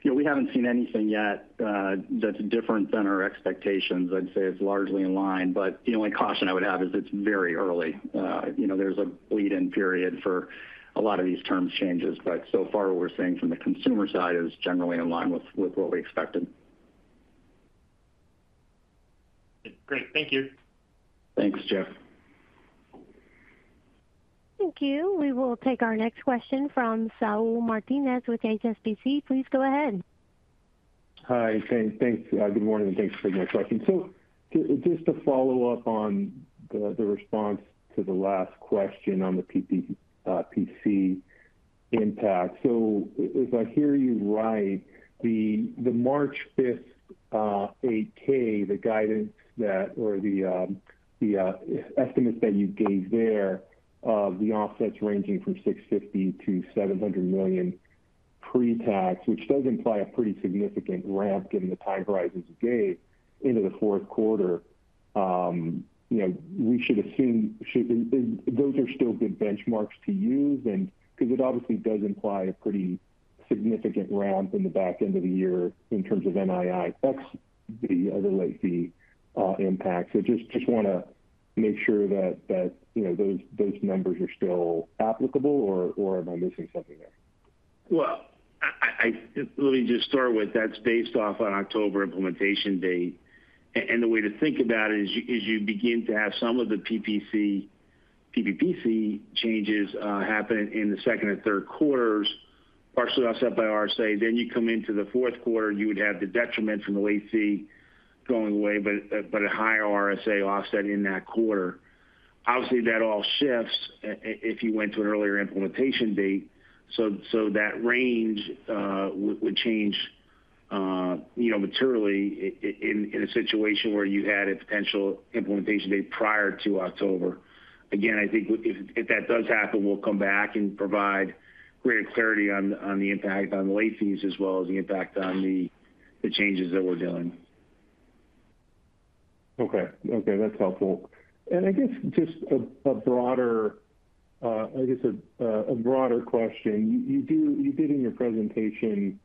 know, we haven't seen anything yet that's different than our expectations. I'd say it's largely in line, but the only caution I would have is it's very early. You know, there's a lead-in period for a lot of these terms changes, but so far what we're seeing from the consumer side is generally in line with what we expected. Great. Thank you. Thanks, Jeff. Thank you. We will take our next question from Saul Martinez with HSBC. Please go ahead. Hi. Thanks. Good morning, and thanks for taking my question. So just to follow up on the response to the last question on the PPPC impact. So if I hear you right, the March fifth 8-K, the guidance that or the estimates that you gave there of the offsets ranging from $650 million-$700 million pre-tax, which does imply a pretty significant ramp given the time horizons you gave into the 4Q. You know, we should assume those are still good benchmarks to use and because it obviously does imply a pretty significant ramp in the back end of the year in terms of NII, ex the other late fee impact. So just want to-... Make sure that you know those numbers are still applicable, or am I missing something there? Well, let me just start with that's based off an October implementation date. And the way to think about it is you begin to have some of the PPPC changes happen in the second and 3Qs, partially offset by RSA. Then you come into the 4Q, you would have the detriment from the late fee going away, but a higher RSA offset in that quarter. Obviously, that all shifts if you went to an earlier implementation date. So that range would change, you know, materially in a situation where you had a potential implementation date prior to October. Again, I think if that does happen, we'll come back and provide greater clarity on the impact on the late fees, as well as the impact on the changes that we're doing. Okay. Okay, that's helpful. And I guess just a broader question. You did in your presentation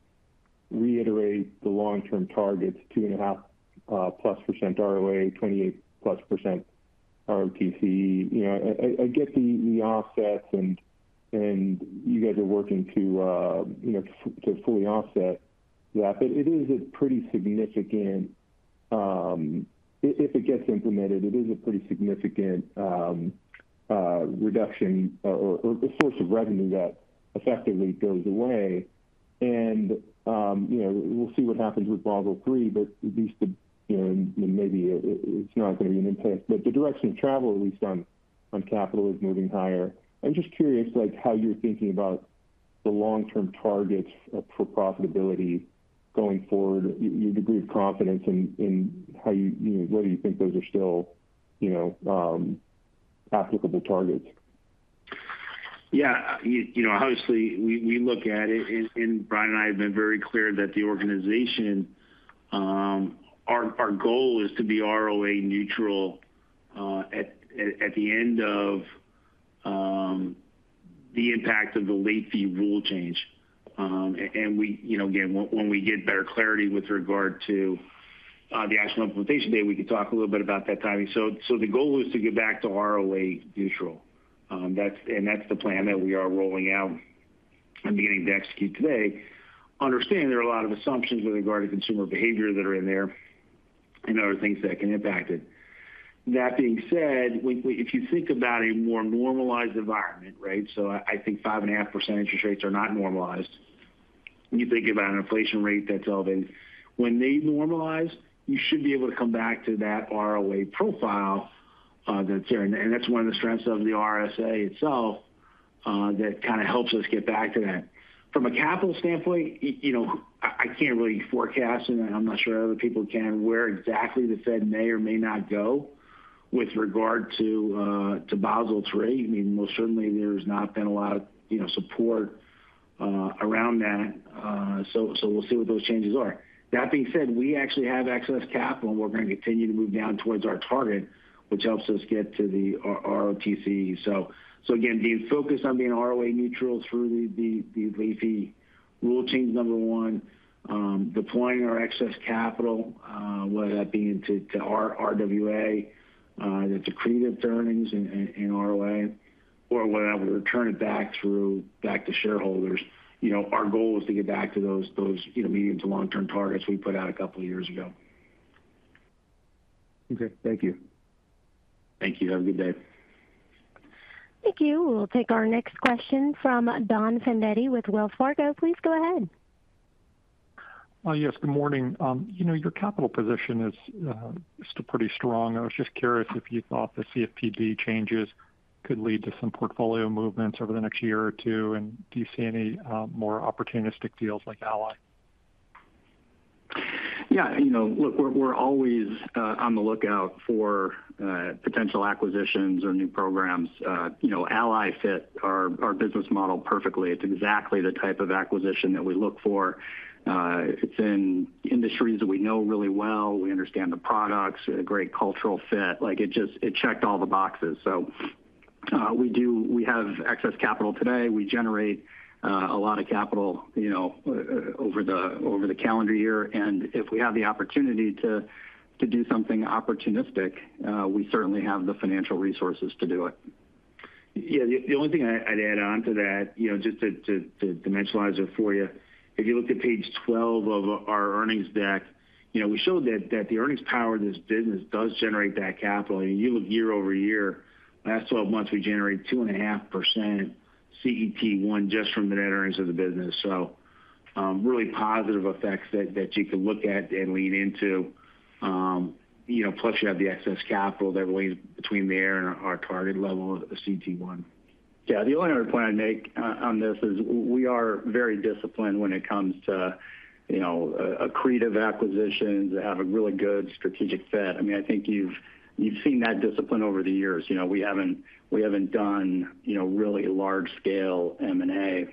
reiterate the long-term targets, 2.5+ % ROA, 28+ % ROTCE. You know, I get the offsets and you guys are working to fully offset that, but it is a pretty significant... If it gets implemented, it is a pretty significant reduction or a source of revenue that effectively goes away. And you know, we'll see what happens with Basel III, but at least the, you know, maybe it, it's not going to be an impact, but the direction of travel, at least on capital, is moving higher. I'm just curious, like, how you're thinking about the long-term targets for profitability going forward, your degree of confidence in how you know, whether you think those are still, you know, applicable targets? Yeah, you know, obviously, we look at it, and Brian and I have been very clear that the organization, our goal is to be ROA neutral, at the end of the impact of the late fee rule change. And we, you know, again, when we get better clarity with regard to the actual implementation date, we can talk a little bit about that timing. So the goal is to get back to ROA neutral. That's-- and that's the plan that we are rolling out and beginning to execute today. Understand, there are a lot of assumptions with regard to consumer behavior that are in there and other things that can impact it. That being said, we-- if you think about a more normalized environment, right? So I think 5.5% interest rates are not normalized. When you think about an inflation rate that's elevated, when they normalize, you should be able to come back to that ROA profile, that's there, and that's one of the strengths of the RSA itself, that kind of helps us get back to that. From a capital standpoint, you know, I can't really forecast, and I'm not sure other people can, where exactly the Fed may or may not go with regard to, to Basel III. I mean, most certainly there's not been a lot of, you know, support around that, so we'll see what those changes are. That being said, we actually have excess capital, and we're going to continue to move down towards our target, which helps us get to the ROTCE. Again, being focused on being ROA neutral through the late fee rule change, number one. Deploying our excess capital, whether that be into RWA, that's accretive to earnings in ROA, or whether we return it back to shareholders. You know, our goal is to get back to those, you know, medium to long-term targets we put out a couple of years ago. Okay. Thank you. Thank you. Have a good day. Thank you. We'll take our next question from Don Fandetti with Wells Fargo. Please go ahead. Yes, good morning. You know, your capital position is still pretty strong. I was just curious if you thought the CFPB changes could lead to some portfolio movements over the next year or two, and do you see any more opportunistic deals like Ally? Yeah, you know, look, we're always on the lookout for potential acquisitions or new programs. You know, Ally fit our business model perfectly. It's exactly the type of acquisition that we look for. It's in industries that we know really well. We understand the products, a great cultural fit. Like, it just checked all the boxes. So, we do have excess capital today. We generate a lot of capital, you know, over the calendar year, and if we have the opportunity to do something opportunistic, we certainly have the financial resources to do it. Yeah, the only thing I'd add on to that, you know, just to dimensionalize it for you. If you look at page 12 of our earnings deck, you know, we showed that the earnings power of this business does generate that capital. You look year-over-year, last 12 months, we generated 2.5% CET1 just from the net earnings of the business. So, really positive effects that you could look at and lean into. You know, plus, you have the excess capital that lays between there and our target level of CET1. Yeah, the only other point I'd make on this is we are very disciplined when it comes to, you know, accretive acquisitions that have a really good strategic fit. I mean, I think you've seen that discipline over the years. You know, we haven't, we haven't done, you know, really large-scale M&A.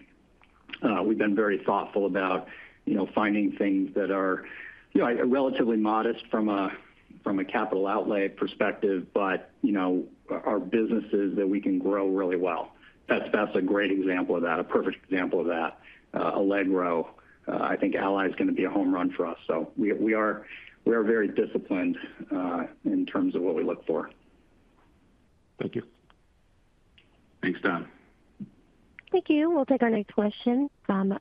We've been very thoughtful about, you know, finding things that are, you know, relatively modest from a, from a capital outlay perspective, but you know, are businesses that we can grow really well. That's, that's a great example of that, a perfect example of that, Allegro. I think Ally is going to be a home run for us, so we, we are, we are very disciplined in terms of what we look for. Thank you. Thanks, Don. Thank you. We'll take our next question from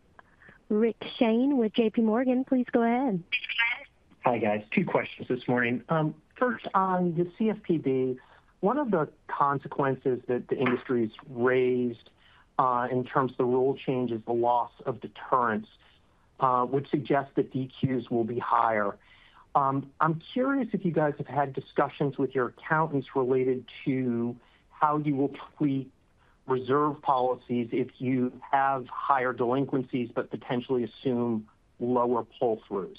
Rick Shane with JP Morgan. Please go ahead. Hi, guys. Two questions this morning. First, on the CFPB, one of the consequences that the industry's raised, in terms of the rule change is the loss of deterrence, which suggests that DQs will be higher. I'm curious if you guys have had discussions with your accountants related to how you will complete reserve policies if you have higher delinquencies, but potentially assume lower cure rates?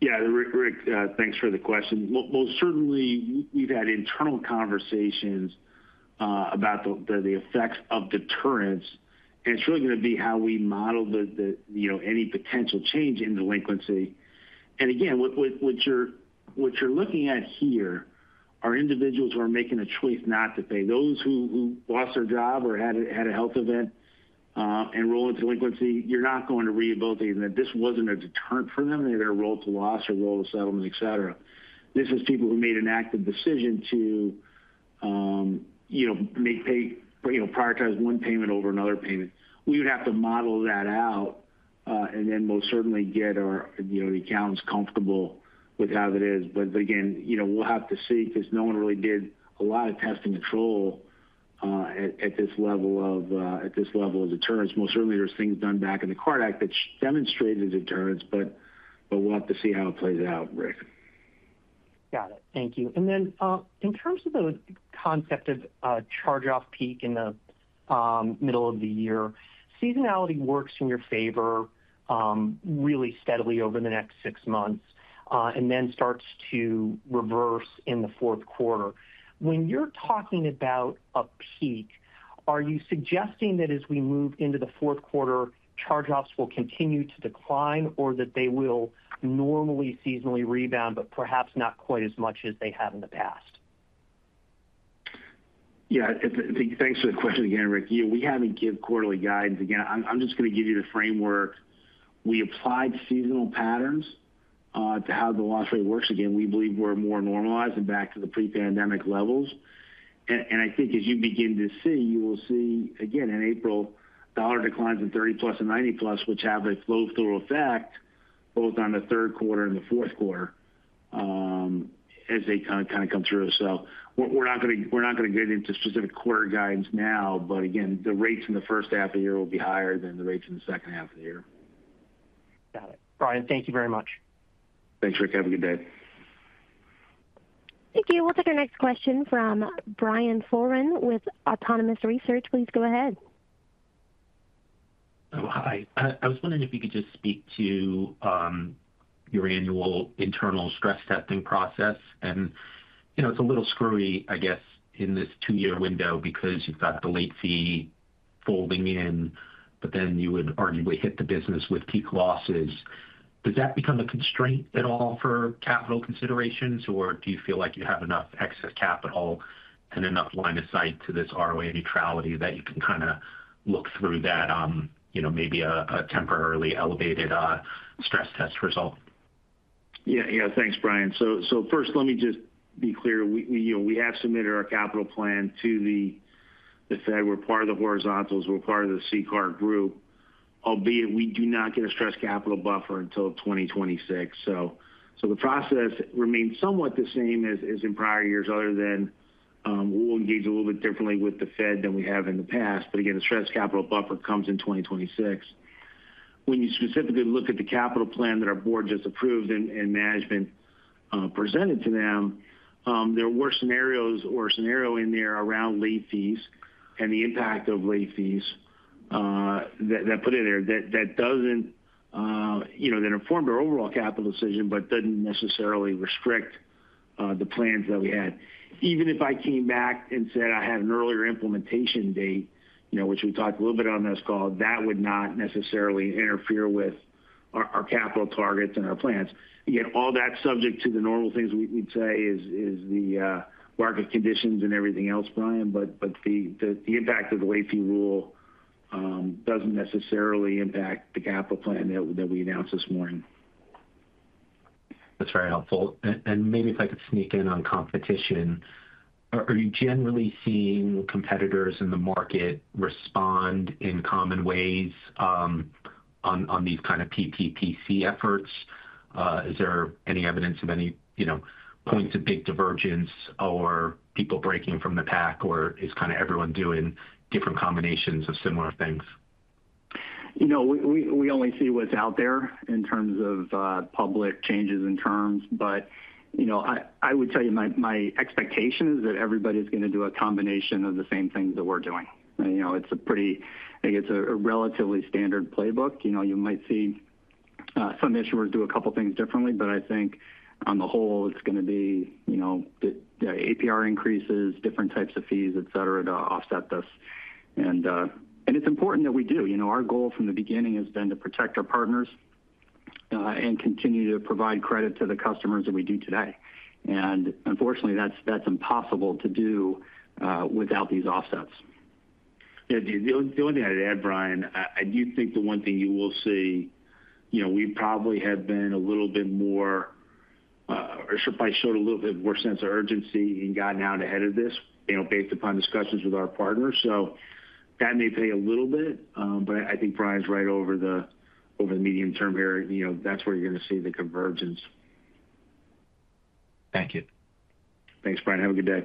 Yeah, Rick, thanks for the question. We'll certainly we've had internal conversations about the effects of deterrence, and it's really going to be how we model the you know, any potential change in delinquency. And again, what you're looking at here are individuals who are making a choice not to pay. Those who lost their job or had a health event and roll into delinquency, you're not going to rehabilitate them, that this wasn't a deterrent for them. They either roll to loss or roll to settlement, etcetera. This is people who made an active decision to you know, prioritize one payment over another payment. We would have to model that out and then most certainly get our you know, the accountants comfortable with how it is. But again, you know, we'll have to see, because no one really did a lot of test and control at this level of deterrence. Most certainly, there's things done back in the CARD Act that demonstrated deterrence, but we'll have to see how it plays out, Rick. Got it. Thank you. And then, in terms of the concept of a charge-off peak in the middle of the year, seasonality works in your favor, really steadily over the next six months, and then starts to reverse in the 4Q. When you're talking about a peak, are you suggesting that as we move into the 4Q, charge-offs will continue to decline, or that they will normally seasonally rebound, but perhaps not quite as much as they have in the past? Yeah, thanks for the question again, Rick. Yeah, we haven't give quarterly guidance. Again, I'm just going to give you the framework. We applied seasonal patterns to how the loss rate works. Again, we believe we're more normalized and back to the pre-pandemic levels. And I think as you begin to see, you will see, again, in April, dollar declines in 30+ and 90+, which have a flow-through effect both on the 3Q and the 4Q, as they kind of come through. So we're not going to get into specific quarter guidance now, but again, the rates in the H1 of the year will be higher than the rates in the second half of the year. Got it. Brian, thank you very much. Thanks, Rick. Have a good day. Thank you. We'll take our next question from Brian Foran with Autonomous Research. Please go ahead. Oh, hi. I was wondering if you could just speak to your annual internal stress testing process. And, you know, it's a little screwy, I guess, in this two-year window because you've got the late fee folding in, but then you would arguably hit the business with peak losses. Does that become a constraint at all for capital considerations, or do you feel like you have enough excess capital and enough line of sight to this ROA neutrality that you can kind of look through that, you know, maybe a temporarily elevated stress test result? Yeah. Yeah. Thanks, Brian. So first, let me just be clear. We, you know, we have submitted our capital plan to the Fed. We're part of the horizontals. We're part of the CCAR group, albeit we do not get a stress capital buffer until 2026. So the process remains somewhat the same as in prior years, other than we'll engage a little bit differently with the Fed than we have in the past. But again, the stress capital buffer comes in 2026. When you specifically look at the capital plan that our board just approved and management presented to them, there were scenarios or a scenario in there around late fees and the impact of late fees that doesn't, you know... That informed our overall capital decision, but doesn't necessarily restrict the plans that we had. Even if I came back and said I had an earlier implementation date, you know, which we talked a little bit on this call, that would not necessarily interfere with our capital targets and our plans. Again, all that's subject to the normal things we'd say is the market conditions and everything else, Brian, but the impact of the late fee rule doesn't necessarily impact the capital plan that we announced this morning. That's very helpful. Maybe if I could sneak in on competition. Are you generally seeing competitors in the market respond in common ways, on these kind of PPPC efforts? Is there any evidence of any, you know, points of big divergence or people breaking from the pack, or is kind of everyone doing different combinations of similar things? You know, we only see what's out there in terms of public changes in terms. But, you know, I would tell you my expectation is that everybody's going to do a combination of the same things that we're doing. You know, it's a pretty—I think it's a relatively standard playbook. You know, you might see some issuers do a couple of things differently, but I think on the whole, it's going to be, you know, the APR increases, different types of fees, etc., to offset this. And it's important that we do. You know, our goal from the beginning has been to protect our partners and continue to provide credit to the customers that we do today. And unfortunately, that's impossible to do without these offsets. Yeah, the only thing I'd add, Brian, I do think the one thing you will see, you know, we probably have been a little bit more, or probably showed a little bit more sense of urgency and gotten out ahead of this, you know, based upon discussions with our partners. So that may play a little bit, but I think Brian's right over the medium-term here, you know, that's where you're going to see the convergence. Thank you. Thanks, Brian. Have a good day.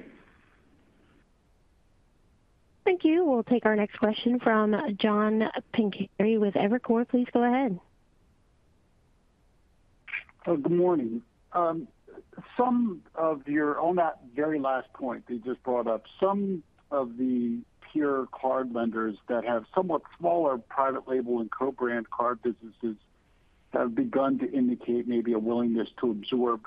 Thank you. We'll take our next question from John Pancari with Evercore. Please go ahead. Good morning. On that very last point that you just brought up, some of the pure card lenders that have somewhat smaller private label and co-brand card businesses have begun to indicate maybe a willingness to absorb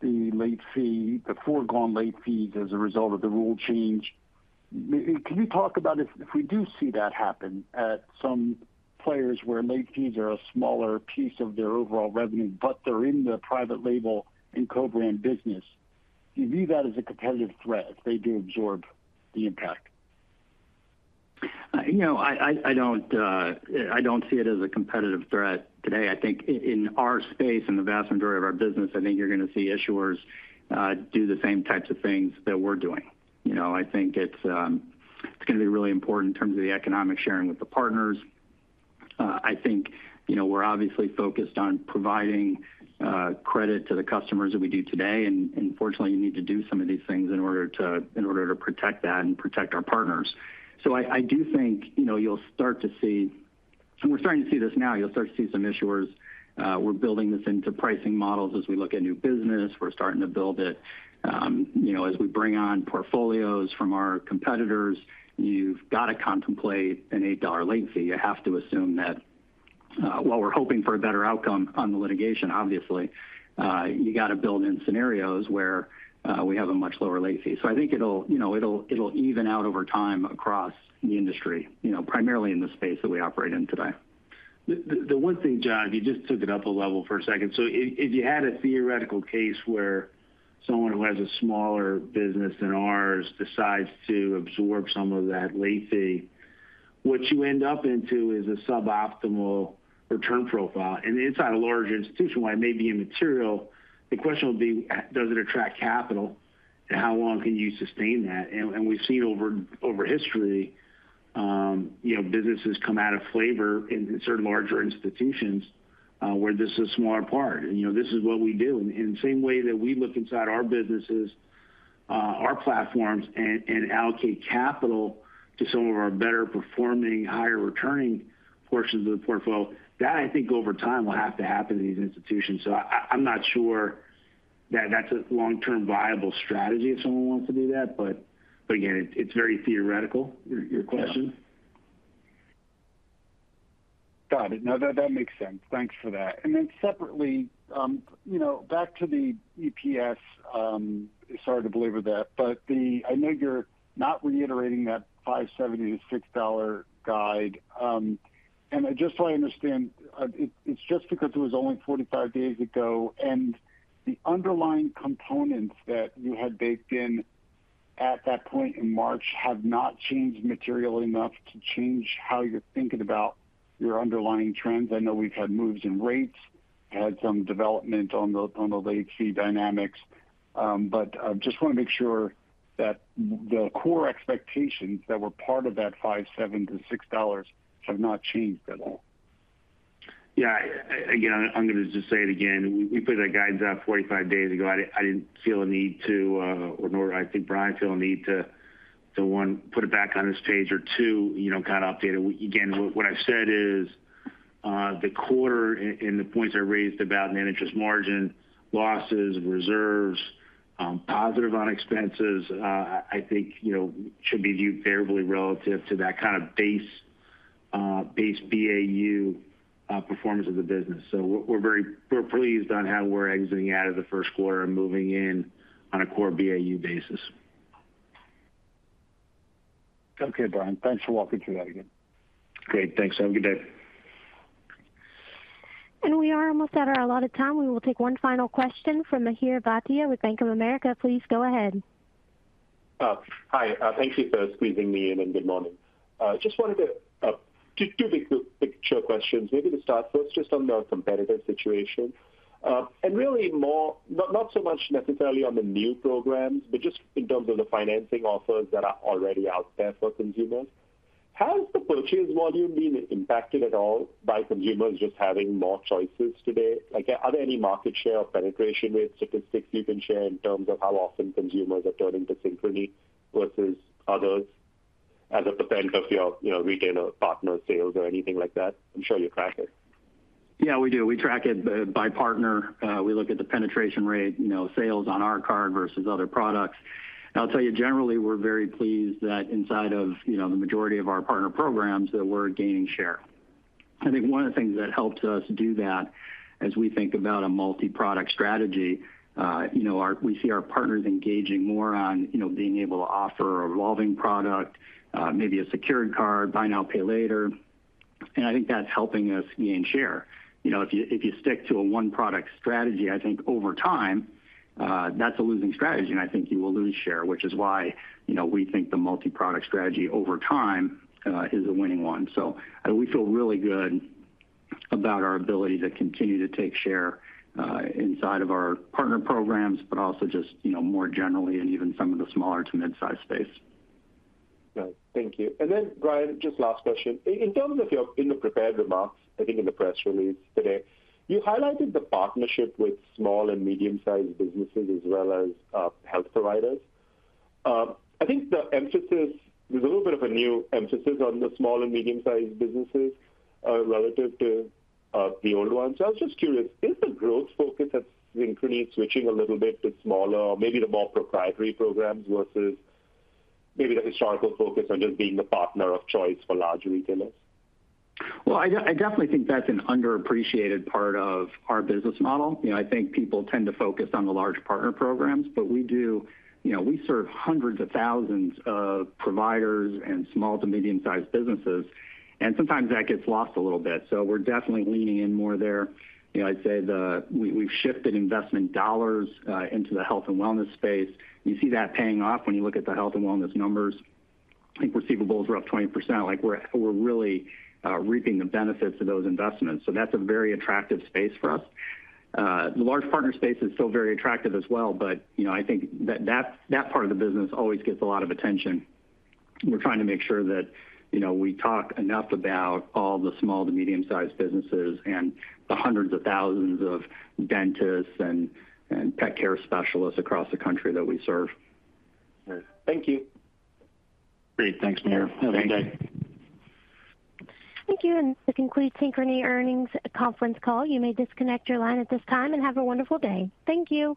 the late fee, the foregone late fees as a result of the rule change. Can you talk about if we do see that happen at some players where late fees are a smaller piece of their overall revenue, but they're in the private label and co-brand business, do you view that as a competitive threat if they do absorb the impact? You know, I don't see it as a competitive threat today. I think in our space, in the vast majority of our business, I think you're going to see issuers do the same types of things that we're doing. You know, I think it's going to be really important in terms of the economic sharing with the partners. I think, you know, we're obviously focused on providing credit to the customers that we do today, and unfortunately, you need to do some of these things in order to protect that and protect our partners. So I do think, you know, you'll start to see... And we're starting to see this now, you'll start to see some issuers, we're building this into pricing models as we look at new business. We're starting to build it, you know, as we bring on portfolios from our competitors. You've got to contemplate an $8 late fee. You have to assume that, while we're hoping for a better outcome on the litigation, obviously, you got to build in scenarios where, we have a much lower late fee. So I think it'll, you know, it'll, it'll even out over time across the industry, you know, primarily in the space that we operate in today. The one thing, John, you just took it up a level for a second. So if you had a theoretical case where someone who has a smaller business than ours decides to absorb some of that late fee, what you end up into is a suboptimal return profile. And inside a larger institution, while it may be immaterial, the question will be, does it attract capital, and how long can you sustain that? And we've seen over history, you know, businesses come out of flavor in certain larger institutions, where this is a smaller part, and, you know, this is what we do. In the same way that we look inside our businesses, our platforms, and allocate capital to some of our better performing, higher returning portions of the portfolio, that I think over time will have to happen to these institutions. So I, I'm not sure that that's a long-term viable strategy if someone wants to do that, but again, it's very theoretical, your question. Got it. No, that, that makes sense. Thanks for that. And then separately, you know, back to the EPS, sorry to belabor that, but the—I know you're not reiterating that $5.70-$6 guide. And just so I understand, it, it's just because it was only 45 days ago, and the underlying components that you had baked in at that point in March have not changed materially enough to change how you're thinking about your underlying trends. I know we've had moves in rates, had some development on the, on the late fee dynamics, but I just want to make sure that the core expectations that were part of that $5.70-$6 have not changed at all. Yeah, again, I'm going to just say it again. We put that guidance out 45 days ago. I didn't feel a need to, or nor I think Brian feel a need to, one, put it back on this page, or two, you know, kind of update it. Again, what I said is, the quarter and the points I raised about net interest margin, losses, reserves, positive on expenses, I think, you know, should be viewed favorably relative to that kind of base, base BAU, performance of the business. So we're very pleased on how we're exiting out of the 1Q and moving in on a core BAU basis. Okay, Brian, thanks for walking through that again. Great. Thanks. Have a good day. We are almost out of our allotted time. We will take one final question from Mihir Bhatia with Bank of America. Please go ahead. Hi, thank you for squeezing me in, and good morning. Just wanted to two big picture questions. Maybe to start first, just on the competitive situation, and really more, not so much necessarily on the new programs, but just in terms of the financing offers that are already out there for consumers. Has the purchase volume been impacted at all by consumers just having more choices today? Like, are there any market share or penetration rate statistics you can share in terms of how often consumers are turning to Synchrony versus others as a percent of your, you know, retailer partner sales or anything like that? I'm sure you track it. Yeah, we do. We track it by partner. We look at the penetration rate, you know, sales on our card versus other products. I'll tell you, generally, we're very pleased that inside of, you know, the majority of our partner programs, that we're gaining share. I think one of the things that helps us do that as we think about a multi-product strategy, you know, we see our partners engaging more on, you know, being able to offer a revolving product, maybe a secured card, buy now, pay later. And I think that's helping us gain share. You know, if you stick to a one-product strategy, I think over time, that's a losing strategy, and I think you will lose share, which is why, you know, we think the multiproduct strategy over time is a winning one. We feel really good about our ability to continue to take share inside of our partner programs, but also just, you know, more generally, and even some of the smaller to mid-size space. Right. Thank you. And then, Brian, just last question. In the prepared remarks, I think in the press release today, you highlighted the partnership with small and medium-sized businesses as well as health providers. I think the emphasis, there's a little bit of a new emphasis on the small and medium-sized businesses relative to the old one. So I was just curious, is the growth focus that's been pretty shifting a little bit to smaller or maybe the more proprietary programs versus maybe the historical focus on just being the partner of choice for large retailers? Well, I definitely think that's an underappreciated part of our business model. You know, I think people tend to focus on the large partner programs, but we do—you know, we serve hundreds of thousands of providers and small to medium-sized businesses, and sometimes that gets lost a little bit. So we're definitely leaning in more there. You know, I'd say the. We've shifted investment dollars into the health and wellness space. You see that paying off when you look at the health and wellness numbers. I think receivables were up 20%. Like, we're really reaping the benefits of those investments, so that's a very attractive space for us. The large partner space is still very attractive as well, but, you know, I think that, that, that part of the business always gets a lot of attention. We're trying to make sure that, you know, we talk enough about all the small to medium-sized businesses and the hundreds of thousands of dentists and pet care specialists across the country that we serve. Sure. Thank you. Great. Thanks, Mihir. Have a great day. Thank you, and this concludes Synchrony Earnings Conference Call. You may disconnect your line at this time, and have a wonderful day. Thank you!